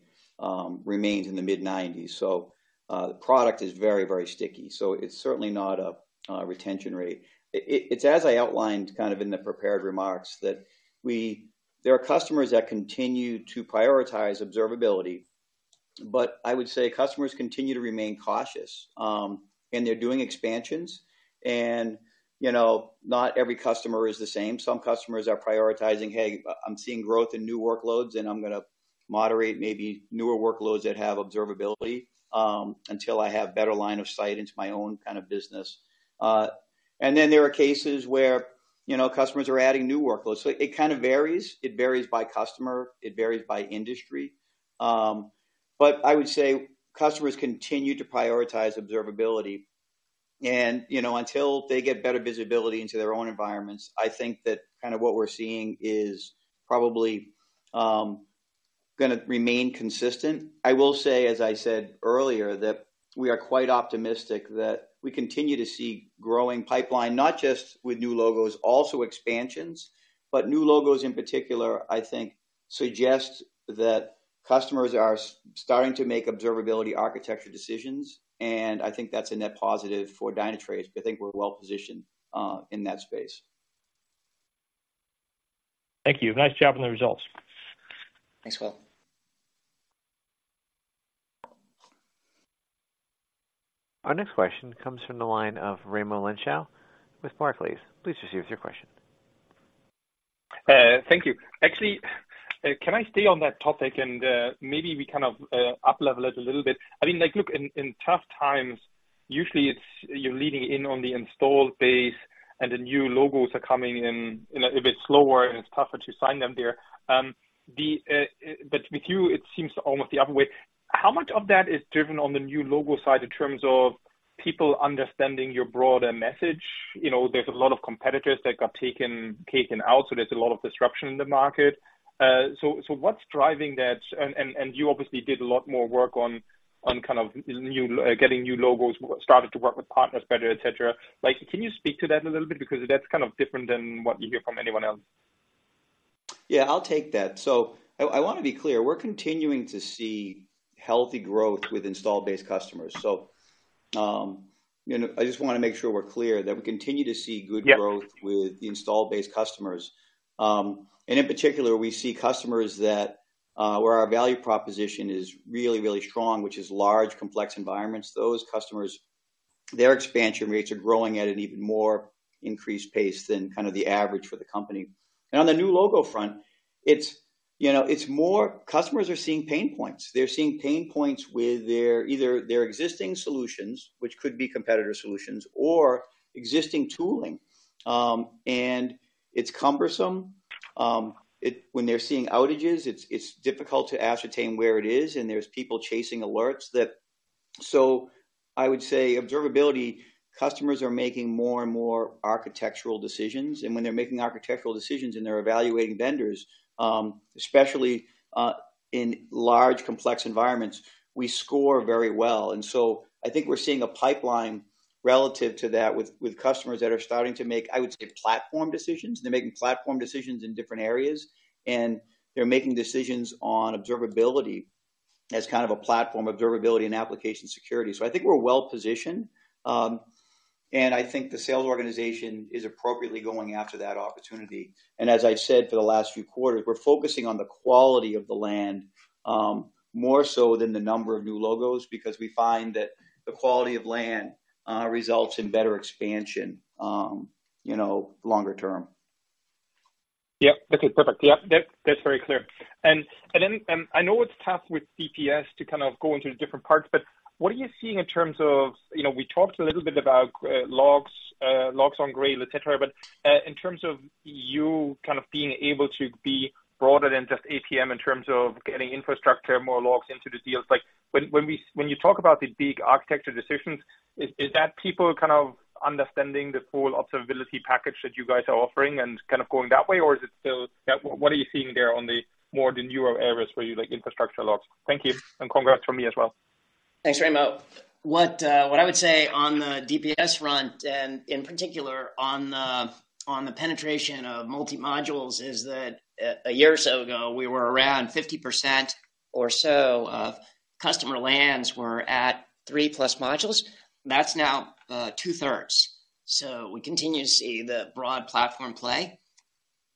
remains in the mid-90s. So, the product is very, very sticky, so it's certainly not a retention rate. It's as I outlined kind of in the prepared remarks, that we, there are customers that continue to prioritize observability, but I would say customers continue to remain cautious. And they're doing expansions and, you know, not every customer is the same. Some customers are prioritizing, "Hey, I'm seeing growth in new workloads, and I'm gonna moderate maybe newer workloads that have observability until I have better line of sight into my own kind of business." And then there are cases where, you know, customers are adding new workloads. So it kind of varies. It varies by customer, it varies by industry. But I would say customers continue to prioritize observability, and, you know, until they get better visibility into their own environments, I think that kind of what we're seeing is probably gonna remain consistent. I will say, as I said earlier, that we are quite optimistic that we continue to see growing pipeline, not just with new logos, also expansions. But new logos, in particular, I think, suggest that customers are starting to make observability architecture decisions, and I think that's a net positive for Dynatrace. I think we're well positioned in that space. Thank you. Nice job on the results. Thanks, Will. Our next question comes from the line of Raimo Lenschow with Barclays. Please proceed with your question. Thank you. Actually, can I stay on that topic, and maybe we kind of uplevel it a little bit? I mean, like, look, in tough times, usually it's you're leaning in on the installed base and the new logos are coming in a bit slower, and it's tougher to sign them there. But with you, it seems to almost the other way. How much of that is driven on the new logo side in terms of people understanding your broader message? You know, there's a lot of competitors that got taken out, so there's a lot of disruption in the market. So what's driving that? And you obviously did a lot more work on kind of new getting new logos, started to work with partners better, et cetera. Like, can you speak to that a little bit? Because that's kind of different than what you hear from anyone else. Yeah, I'll take that. So I want to be clear, we're continuing to see healthy growth with install base customers. And I just want to make sure we're clear that we continue to see good growth- Yep. With the installed base customers. In particular, we see customers that where our value proposition is really, really strong, which is large, complex environments. Those customers, their expansion rates are growing at an even more increased pace than kind of the average for the company. On the new logo front, it's, you know, it's more customers are seeing pain points. They're seeing pain points with their either their existing solutions, which could be competitor solutions or existing tooling. And it's cumbersome. When they're seeing outages, it's difficult to ascertain where it is, and there's people chasing alerts that... So I would say observability, customers are making more and more architectural decisions, and when they're making architectural decisions and they're evaluating vendors, especially in large, complex environments, we score very well. So I think we're seeing a pipeline relative to that with customers that are starting to make, I would say, platform decisions. They're making platform decisions in different areas, and they're making decisions on observability as kind of a platform, observability and application security. So I think we're well positioned, and I think the sales organization is appropriately going after that opportunity. And as I said, for the last few quarters, we're focusing on the quality of the land, more so than the number of new logos, because we find that the quality of land results in better expansion, you know, longer term. Yep. Okay, perfect. Yep, that's very clear. And then, I know it's tough with DPS to kind of go into the different parts, but what are you seeing in terms of... You know, we talked a little bit about, logs, Logs on Grail, et cetera. But, in terms of you kind of being able to be broader than just APM in terms of getting infrastructure, more logs into the deals, like, when you talk about the big architecture decisions, is that people kind of understanding the full observability package that you guys are offering and kind of going that way? Or is it still-- What are you seeing there on the more the newer areas where you like infrastructure logs? Thank you, and congrats from me as well. Thanks, Raimo. What I would say on the DPS front, and in particular on the penetration of multi-modules, is that a year or so ago, we were around 50% or so of customer lands were at three-plus modules. That's now two-thirds. So we continue to see the broad platform play.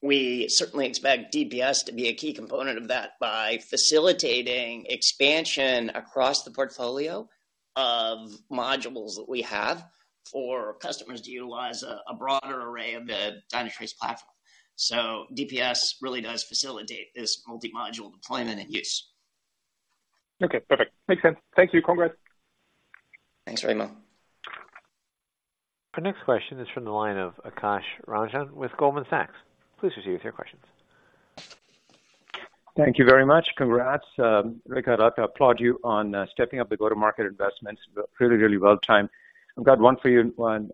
We certainly expect DPS to be a key component of that by facilitating expansion across the portfolio of modules that we have for customers to utilize a broader array of the Dynatrace platform. So DPS really does facilitate this multi-module deployment and use. Okay, perfect. Makes sense. Thank you. Congrats. Thanks, Remo. Our next question is from the line of Kash Rangan with Goldman Sachs. Please proceed with your questions. Thank you very much. Congrats. Rick, I'd like to applaud you on stepping up the go-to-market investments. Really, really well timed. I've got one for you and one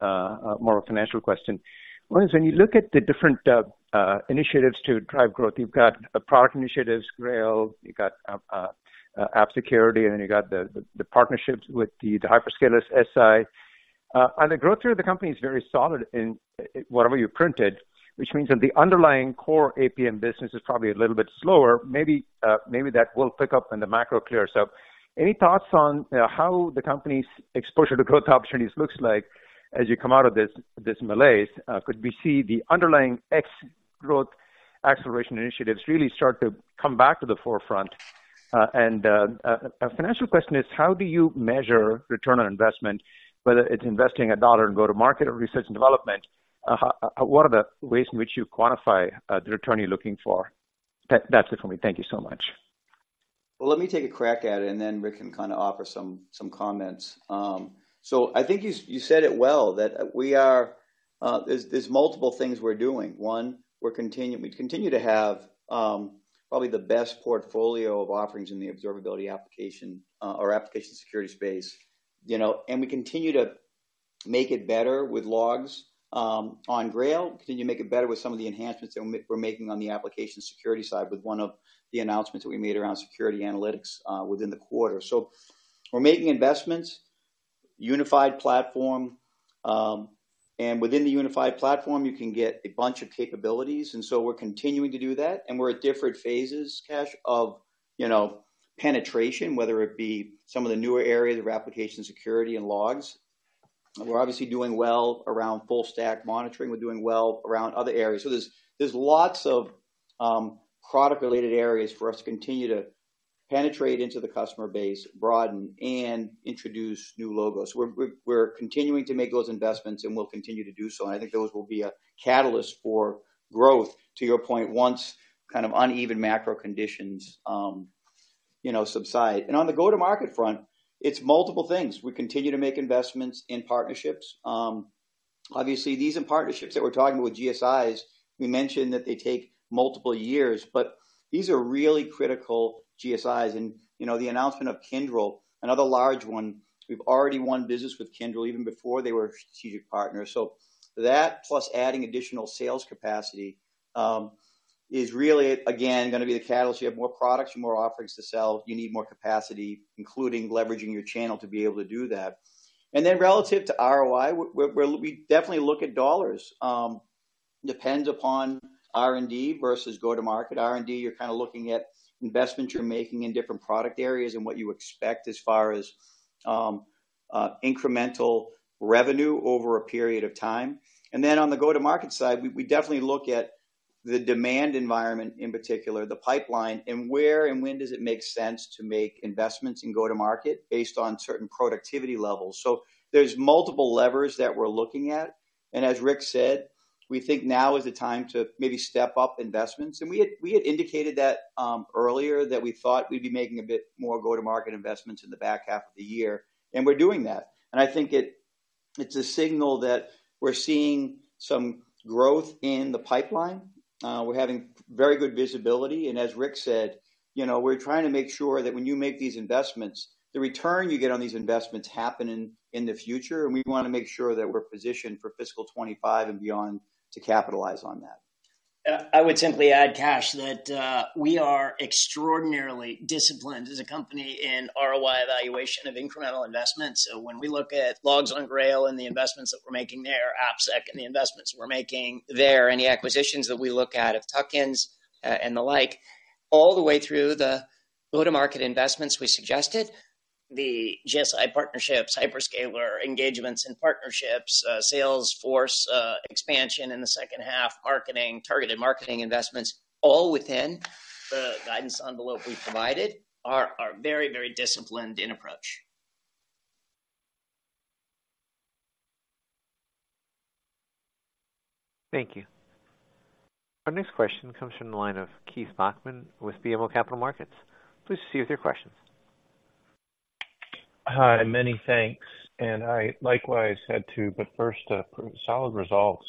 more of a financial question. One is, when you look at the different initiatives to drive growth, you've got a product initiatives, Grail, you've got app security, and then you got the partnerships with the hyperscalers SI. And the growth rate of the company is very solid in whatever you printed, which means that the underlying core APM business is probably a little bit slower. Maybe that will pick up when the macro clears up. Any thoughts on how the company's exposure to growth opportunities looks like as you come out of this malaise? Could we see the underlying X growth acceleration initiatives really start to come back to the forefront? A financial question is, how do you measure return on investment, whether it's investing a dollar in go-to-market or research and development, what are the ways in which you quantify the return you're looking for? That's it for me. Thank you so much. Well, let me take a crack at it, and then Rick can kind of offer some comments. So I think you said it well, that we are—there's multiple things we're doing. One, we're continuing. We continue to have, probably the best portfolio of offerings in the observability application, or application security space, you know, and we continue to make it better with Logs on Grail. Continue to make it better with some of the enhancements that we're making on the application security side, with one of the announcements that we made around Security Analytics within the quarter. So we're making investments, unified platform, and within the unified platform, you can get a bunch of capabilities, and so we're continuing to do that. We're at different phases, Kash, of, you know, penetration, whether it be some of the newer areas of application security and logs. We're obviously doing well around full stack monitoring. We're doing well around other areas. So there's lots of product-related areas for us to continue to penetrate into the customer base, broaden, and introduce new logos. We're continuing to make those investments, and we'll continue to do so. I think those will be a catalyst for growth, to your point, once kind of uneven macro conditions, you know, subside. And on the go-to-market front, it's multiple things. We continue to make investments in partnerships. Obviously, these are partnerships that we're talking with GSIs. We mentioned that they take multiple years, but these are really critical GSIs. You know, the announcement of Kyndryl, another large one, we've already won business with Kyndryl even before they were a strategic partner. So that, plus adding additional sales capacity, is really, again, gonna be the catalyst. You have more products and more offerings to sell, you need more capacity, including leveraging your channel to be able to do that. And then relative to ROI, we're we definitely look at dollars. Depends upon R&D versus go-to-market. R&D, you're kind of looking at investments you're making in different product areas and what you expect as far as incremental revenue over a period of time. And then on the go-to-market side, we definitely look at the demand environment, in particular, the pipeline, and where and when does it make sense to make investments in go-to-market based on certain productivity levels. So there's multiple levers that we're looking at, and as Rick said, we think now is the time to maybe step up investments. And we had, we had indicated that earlier, that we thought we'd be making a bit more go-to-market investments in the back half of the year, and we're doing that. And I think it, it's a signal that we're seeing some growth in the pipeline. We're having very good visibility, and as Rick said, you know, we're trying to make sure that when you make these investments, the return you get on these investments happen in the future, and we wanna make sure that we're positioned for fiscal 25 and beyond to capitalize on that. I would simply add, Kash, that we are extraordinarily disciplined as a company in ROI evaluation of incremental investments. So when we look at Logs on Grail and the investments that we're making there, AppSec and the investments we're making there, any acquisitions that we look at, of tuck-ins, and the like, all the way through the go-to-market investments we suggested, the GSI partnerships, hyperscaler engagements and partnerships, sales force expansion in the second half, marketing, targeted marketing investments, all within the guidance envelope we've provided, are very, very disciplined in approach. Thank you. Our next question comes from the line of Keith Bachman with BMO Capital Markets. Please proceed with your questions. Hi, many thanks, and I likewise had to, but first, solid results.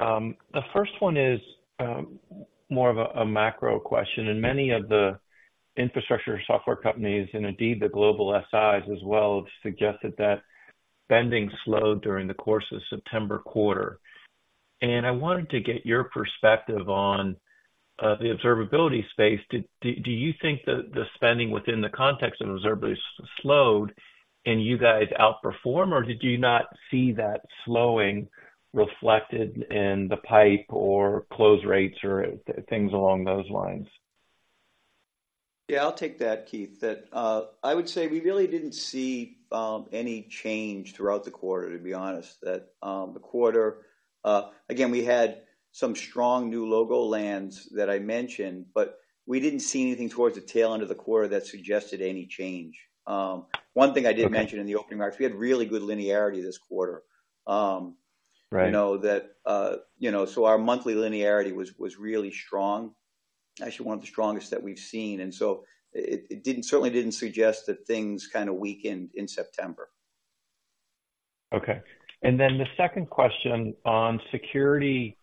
The first one is more of a macro question, and many of the infrastructure software companies, and indeed the global SIs as well, have suggested that spending slowed during the course of September quarter. I wanted to get your perspective on the observability space. Did you think that the spending within the context of observability slowed and you guys outperform, or did you not see that slowing reflected in the pipe or close rates or things along those lines? Yeah, I'll take that, Keith. That, I would say we really didn't see any change throughout the quarter, to be honest, that, the quarter. Again, we had some strong new logo lands that I mentioned, but we didn't see anything towards the tail end of the quarter that suggested any change. One thing I did- Okay... mention in the opening remarks, we had really good linearity this quarter. Right. You know, that, you know, so our monthly linearity was really strong, actually one of the strongest that we've seen. And so it didn't, certainly didn't suggest that things kinda weakened in September. Okay. And then the second question on security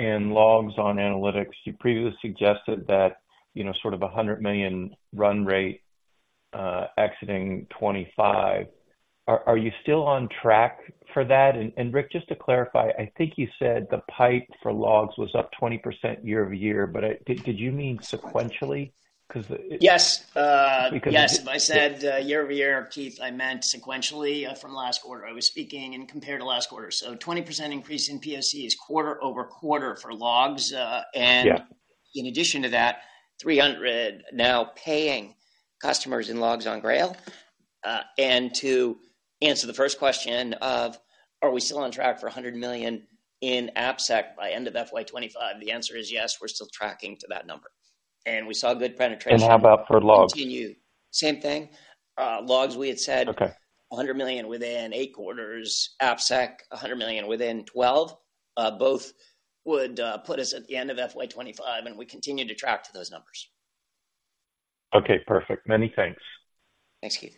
and logs on analytics. You previously suggested that, you know, sort of a $100 million run rate exiting 2025. Are you still on track for that? And Rick, just to clarify, I think you said the pipe for logs was up 20% year-over-year, but did you mean sequentially? Because- Yes, uh- Because- Yes, if I said, year-over-year, Keith, I meant sequentially, from last quarter. I was speaking in compared to last quarter. So 20% increase in POC is quarter-over-quarter for logs, and- Yeah... in addition to that, 300 now paying customers in Logs on Grail. And to answer the first question of, are we still on track for $100 million in AppSec by end of FY 2025? The answer is yes, we're still tracking to that number, and we saw good penetration. How about for logs? Continue. Same thing. Logs, we had said- Okay... $100 million within eight quarters, AppSec, $100 million within 12. Both would put us at the end of FY 2025, and we continue to track to those numbers. Okay, perfect. Many thanks. Thanks, Keith.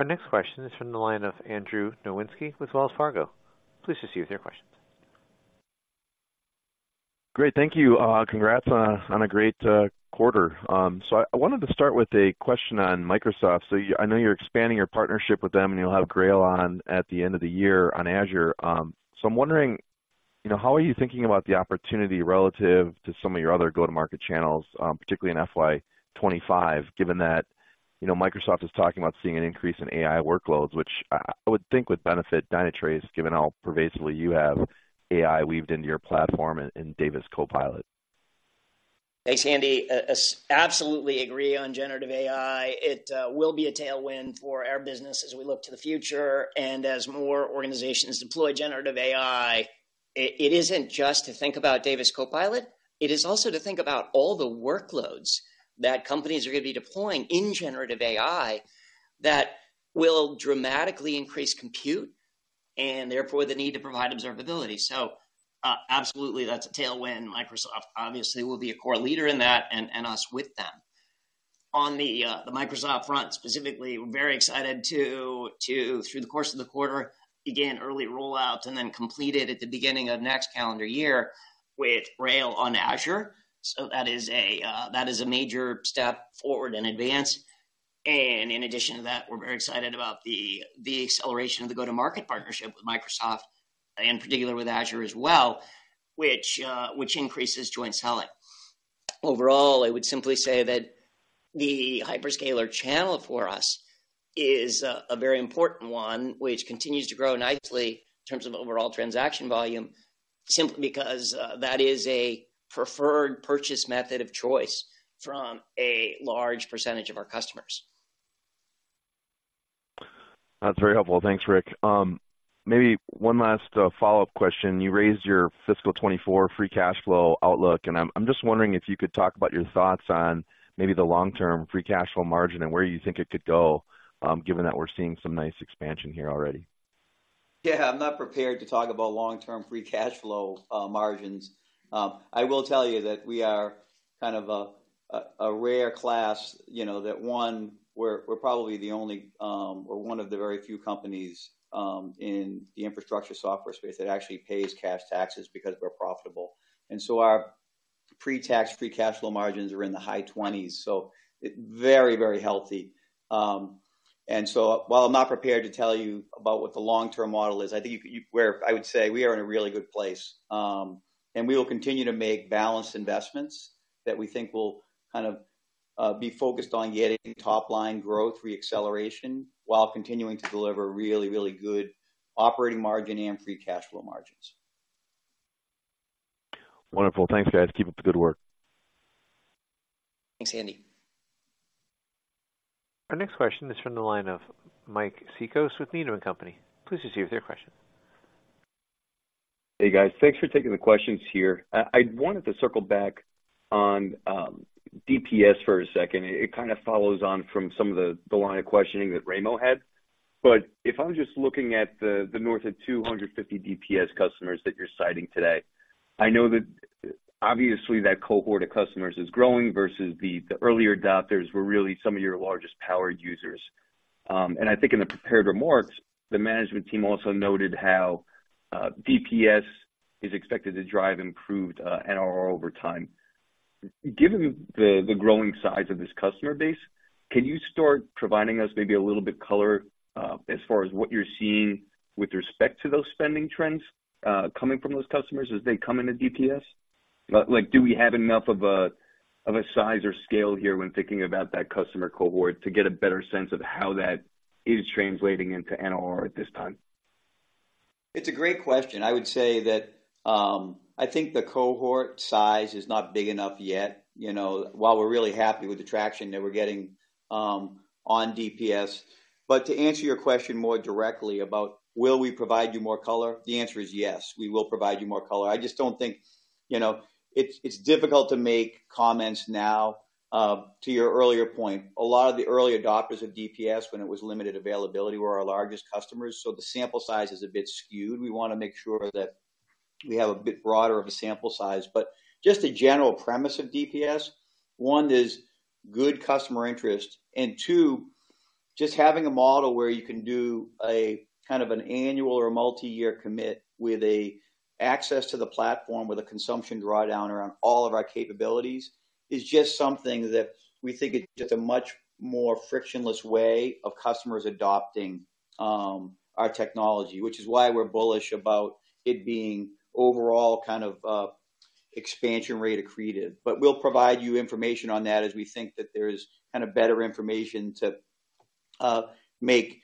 Our next question is from the line of Andrew Nowinski with Wells Fargo. Please proceed with your questions. Great, thank you. Congrats on a great quarter. So I wanted to start with a question on Microsoft. So I know you're expanding your partnership with them, and you'll have Grail on at the end of the year on Azure. So I'm wondering, you know, how are you thinking about the opportunity relative to some of your other go-to-market channels, particularly in FY 2025, given that, you know, Microsoft is talking about seeing an increase in AI workloads, which I would think would benefit Dynatrace, given how pervasively you have AI weaved into your platform in Davis Copilot? Thanks, Andy. Absolutely agree on generative AI. It will be a tailwind for our business as we look to the future and as more organizations deploy generative AI. It isn't just to think about Davis Copilot, it is also to think about all the workloads that companies are gonna be deploying in generative AI that will dramatically increase compute, and therefore, the need to provide observability. So, absolutely, that's a tailwind. Microsoft obviously will be a core leader in that and us with them. On the Microsoft front specifically, we're very excited to, through the course of the quarter, begin early rollouts and then complete it at the beginning of next calendar year with Grail on Azure. So that is a major step forward in advance. And in addition to that, we're very excited about the acceleration of the go-to-market partnership with Microsoft, and in particular with Azure as well, which increases joint selling. Overall, I would simply say that the hyperscaler channel for us is a very important one, which continues to grow nicely in terms of overall transaction volume, simply because that is a preferred purchase method of choice from a large percentage of our customers. That's very helpful. Thanks, Rick. Maybe one last follow-up question. You raised your fiscal 2024 free cash flow outlook, and I'm just wondering if you could talk about your thoughts on maybe the long-term free cash flow margin and where you think it could go, given that we're seeing some nice expansion here already. Yeah, I'm not prepared to talk about long-term free cash flow margins. I will tell you that we are kind of a rare class, you know, that one, we're probably the only or one of the very few companies in the infrastructure software space that actually pays cash taxes because we're profitable. And so our pre-tax free cash flow margins are in the high 20s, so very, very healthy. And so while I'm not prepared to tell you about what the long-term model is, I think you could, where I would say we are in a really good place. And we will continue to make balanced investments that we think will kind of be focused on getting top-line growth reacceleration while continuing to deliver really, really good operating margin and free cash flow margins. Wonderful. Thanks, guys. Keep up the good work. Thanks, Andy. Our next question is from the line of Mike Cikos with Needham and Company. Please proceed with your question. Hey, guys. Thanks for taking the questions here. I wanted to circle back on DPS for a second. It kind of follows on from some of the line of questioning that Raimo had. But if I'm just looking at the north of 250 DPS customers that you're citing today, I know that obviously that cohort of customers is growing versus the earlier adopters were really some of your largest power users. And I think in the prepared remarks, the management team also noted how DPS is expected to drive improved NRR over time. Given the growing size of this customer base, can you start providing us maybe a little bit color as far as what you're seeing with respect to those spending trends coming from those customers as they come into DPS? Like, do we have enough of a size or scale here when thinking about that customer cohort to get a better sense of how that is translating into NRR at this time? It's a great question. I would say that, I think the cohort size is not big enough yet, you know, while we're really happy with the traction that we're getting on DPS. But to answer your question more directly about, will we provide you more color? The answer is yes, we will provide you more color. I just don't think, you know... It's difficult to make comments now. To your earlier point, a lot of the early adopters of DPS, when it was limited availability, were our largest customers, so the sample size is a bit skewed. We wanna make sure that we have a bit broader of a sample size. But just the general premise of DPS, one, is good customer interest, and two, just having a model where you can do a kind of an annual or multiyear commit with access to the platform, with a consumption drawdown around all of our capabilities, is just something that we think is just a much more frictionless way of customers adopting our technology. Which is why we're bullish about it being overall kind of expansion rate accretive. But we'll provide you information on that as we think that there's kind of better information to make,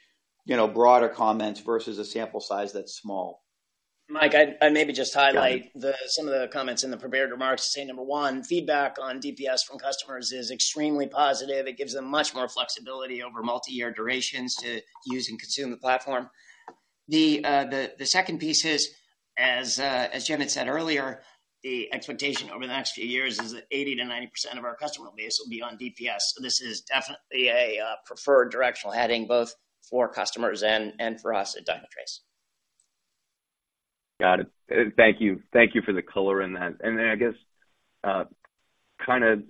you know, broader comments versus a sample size that's small. Mike, I'd maybe just highlight- Yeah. Some of the comments in the prepared remarks to say, number one, feedback on DPS from customers is extremely positive. It gives them much more flexibility over multiyear durations to use and consume the platform. The second piece is, as Jim had said earlier, the expectation over the next few years is that 80%-90% of our customer base will be on DPS. So this is definitely a preferred directional heading, both for customers and for us at Dynatrace. Got it. Thank you. Thank you for the color in that. And then I guess, kind of,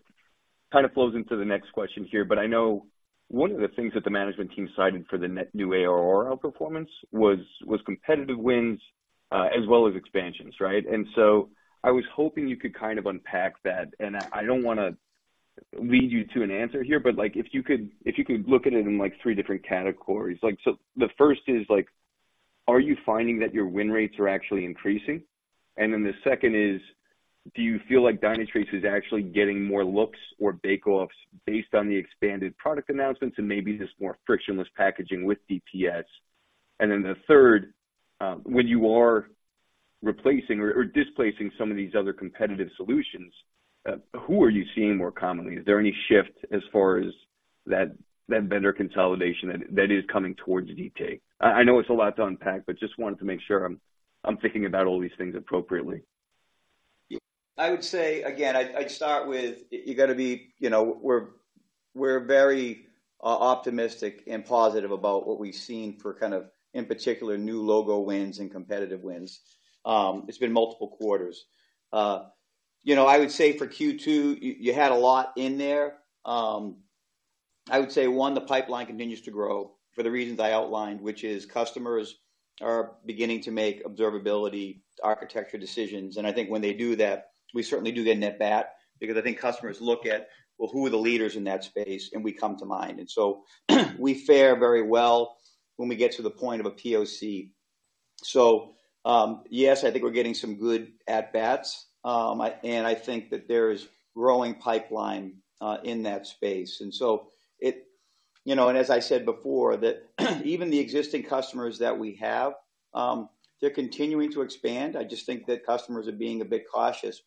kind of flows into the next question here, but I know one of the things that the management team cited for the net new ARR outperformance was, was competitive wins, as well as expansions, right? And so I was hoping you could kind of unpack that, and I don't wanna lead you to an answer here, but, like, if you could, if you could look at it in, like, three different categories. Like, so the first is, like, are you finding that your win rates are actually increasing? And then the second is: Do you feel like Dynatrace is actually getting more looks or bake-offs based on the expanded product announcements and maybe this more frictionless packaging with DPS? And then the third: When you are replacing or displacing some of these other competitive solutions, who are you seeing more commonly? Is there any shift as far as that vendor consolidation that is coming towards DT? I know it's a lot to unpack, but just wanted to make sure I'm thinking about all these things appropriately. Yeah, I would say again, I'd start with, you got to be... You know, we're very optimistic and positive about what we've seen for kind of, in particular, new logo wins and competitive wins. It's been multiple quarters. You know, I would say for Q2, you had a lot in there. I would say, one, the pipeline continues to grow for the reasons I outlined, which is customers are beginning to make observability architecture decisions, and I think when they do that, we certainly do get an at-bat, because I think customers look at, well, who are the leaders in that space? And we come to mind. And so, we fare very well when we get to the point of a POC. So, yes, I think we're getting some good at-bats. I think that there is growing pipeline in that space. And so it, you know, and as I said before, that, even the existing customers that we have, they're continuing to expand. I just think that customers are being a bit cautious.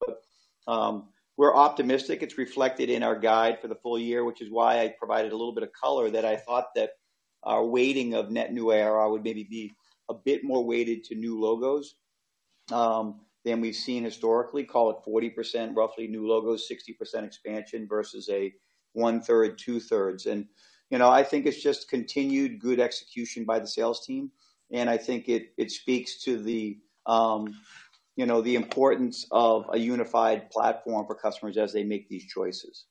But, we're optimistic. It's reflected in our guide for the full year, which is why I provided a little bit of color that I thought that our weighting of net new ARR would maybe be a bit more weighted to new logos, than we've seen historically, call it 40%, roughly new logos, 60% expansion versus a one-third, two-thirds. And, you know, I think it's just continued good execution by the sales team, and I think it speaks to the, you know, the importance of a unified platform for customers as they make these choices.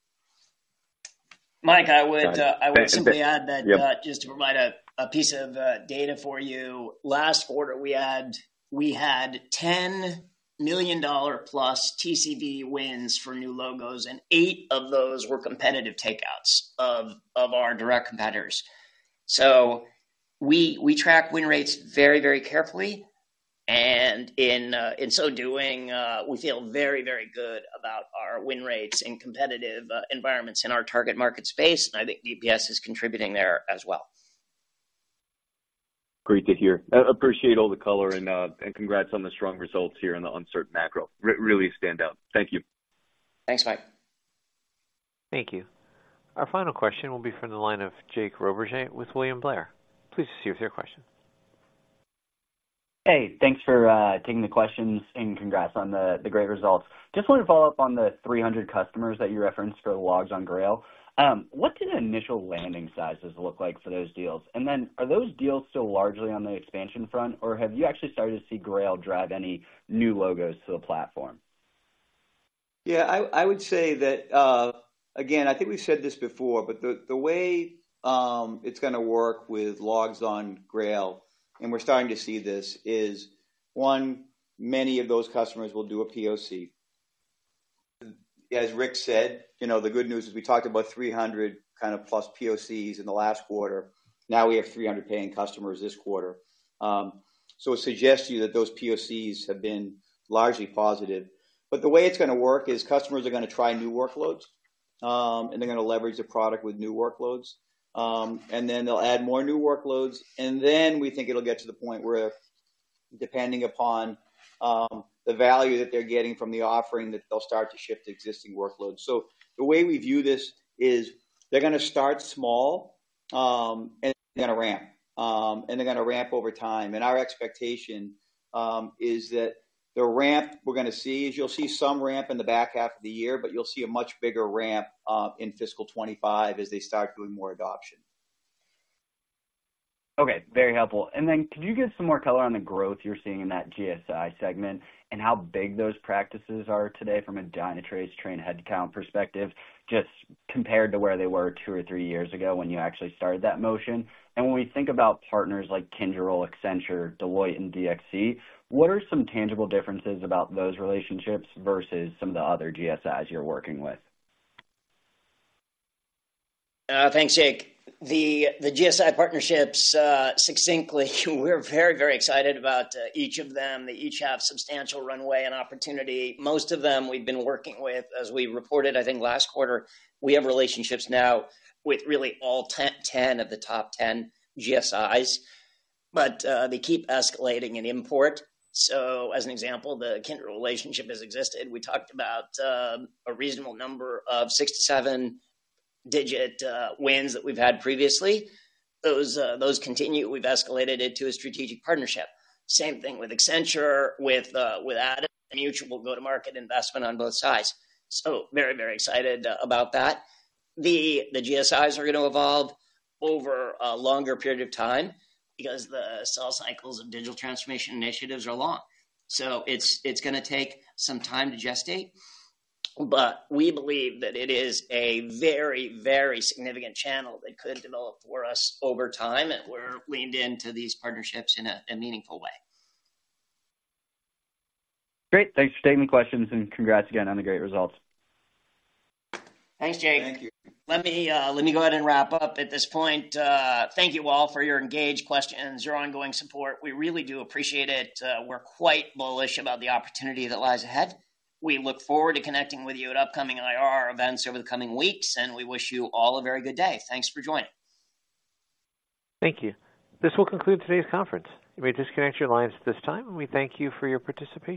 Mike, I would simply add that- Yeah. Just to provide a piece of data for you. Last quarter, we had $10 million plus TCV wins for new logos, and eight of those were competitive takeouts of our direct competitors. So we track win rates very, very carefully, and in so doing, we feel very, very good about our win rates in competitive environments in our target market space, and I think DPS is contributing there as well. Great to hear. I appreciate all the color and, and congrats on the strong results here in the uncertain macro. Really stand out. Thank you. Thanks, Mike. Thank you. Our final question will be from the line of Jake Roberge with William Blair. Please proceed with your question. Hey, thanks for taking the questions, and congrats on the great results. Just want to follow up on the 300 customers that you referenced for the Logs on Grail. What did the initial landing sizes look like for those deals? And then are those deals still largely on the expansion front, or have you actually started to see Grail drive any new logos to the platform? Yeah, I would say that. Again, I think we've said this before, but the way it's gonna work with Logs on Grail, and we're starting to see this, is, one, many of those customers will do a POC. As Rick said, you know, the good news is we talked about 300 kind of plus POCs in the last quarter, now we have 300 paying customers this quarter. So it suggests to you that those POCs have been largely positive. But the way it's gonna work is customers are gonna try new workloads, and they're gonna leverage the product with new workloads. And then they'll add more new workloads, and then we think it'll get to the point where, depending upon the value that they're getting from the offering, that they'll start to shift existing workloads. So the way we view this is they're gonna start small, and they're gonna ramp, and they're gonna ramp over time. Our expectation is that the ramp we're gonna see is you'll see some ramp in the back half of the year, but you'll see a much bigger ramp in fiscal 2025 as they start doing more adoption. Okay, very helpful. And then could you give some more color on the growth you're seeing in that GSI segment, and how big those practices are today from a Dynatrace trained headcount perspective, just compared to where they were two or three years ago when you actually started that motion? And when we think about partners like Kyndryl, Accenture, Deloitte, and DXC, what are some tangible differences about those relationships versus some of the other GSIs you're working with? Thanks, Jake. The GSI partnerships, succinctly, we're very, very excited about each of them. They each have substantial runway and opportunity. Most of them we've been working with, as we reported, I think, last quarter, we have relationships now with really all 10, 10 of the top 10 GSIs, but they keep escalating in import. So as an example, the Kyndryl relationship has existed. We talked about a reasonable number of 6- to 7-digit wins that we've had previously. Those continue. We've escalated it to a strategic partnership. Same thing with Accenture, with Adam, mutual go-to-market investment on both sides. So very, very excited about that. The GSIs are gonna evolve over a longer period of time because the sell cycles of digital transformation initiatives are long. So it's gonna take some time to gestate, but we believe that it is a very, very significant channel that could develop for us over time, and we're leaned into these partnerships in a meaningful way. Great. Thanks for taking the questions, and congrats again on the great results. Thanks, Jake. Thank you. Let me, let me go ahead and wrap up at this point. Thank you all for your engaged questions, your ongoing support. We really do appreciate it. We're quite bullish about the opportunity that lies ahead. We look forward to connecting with you at upcoming IR events over the coming weeks, and we wish you all a very good day. Thanks for joining. Thank you. This will conclude today's conference. You may disconnect your lines at this time, and we thank you for your participation.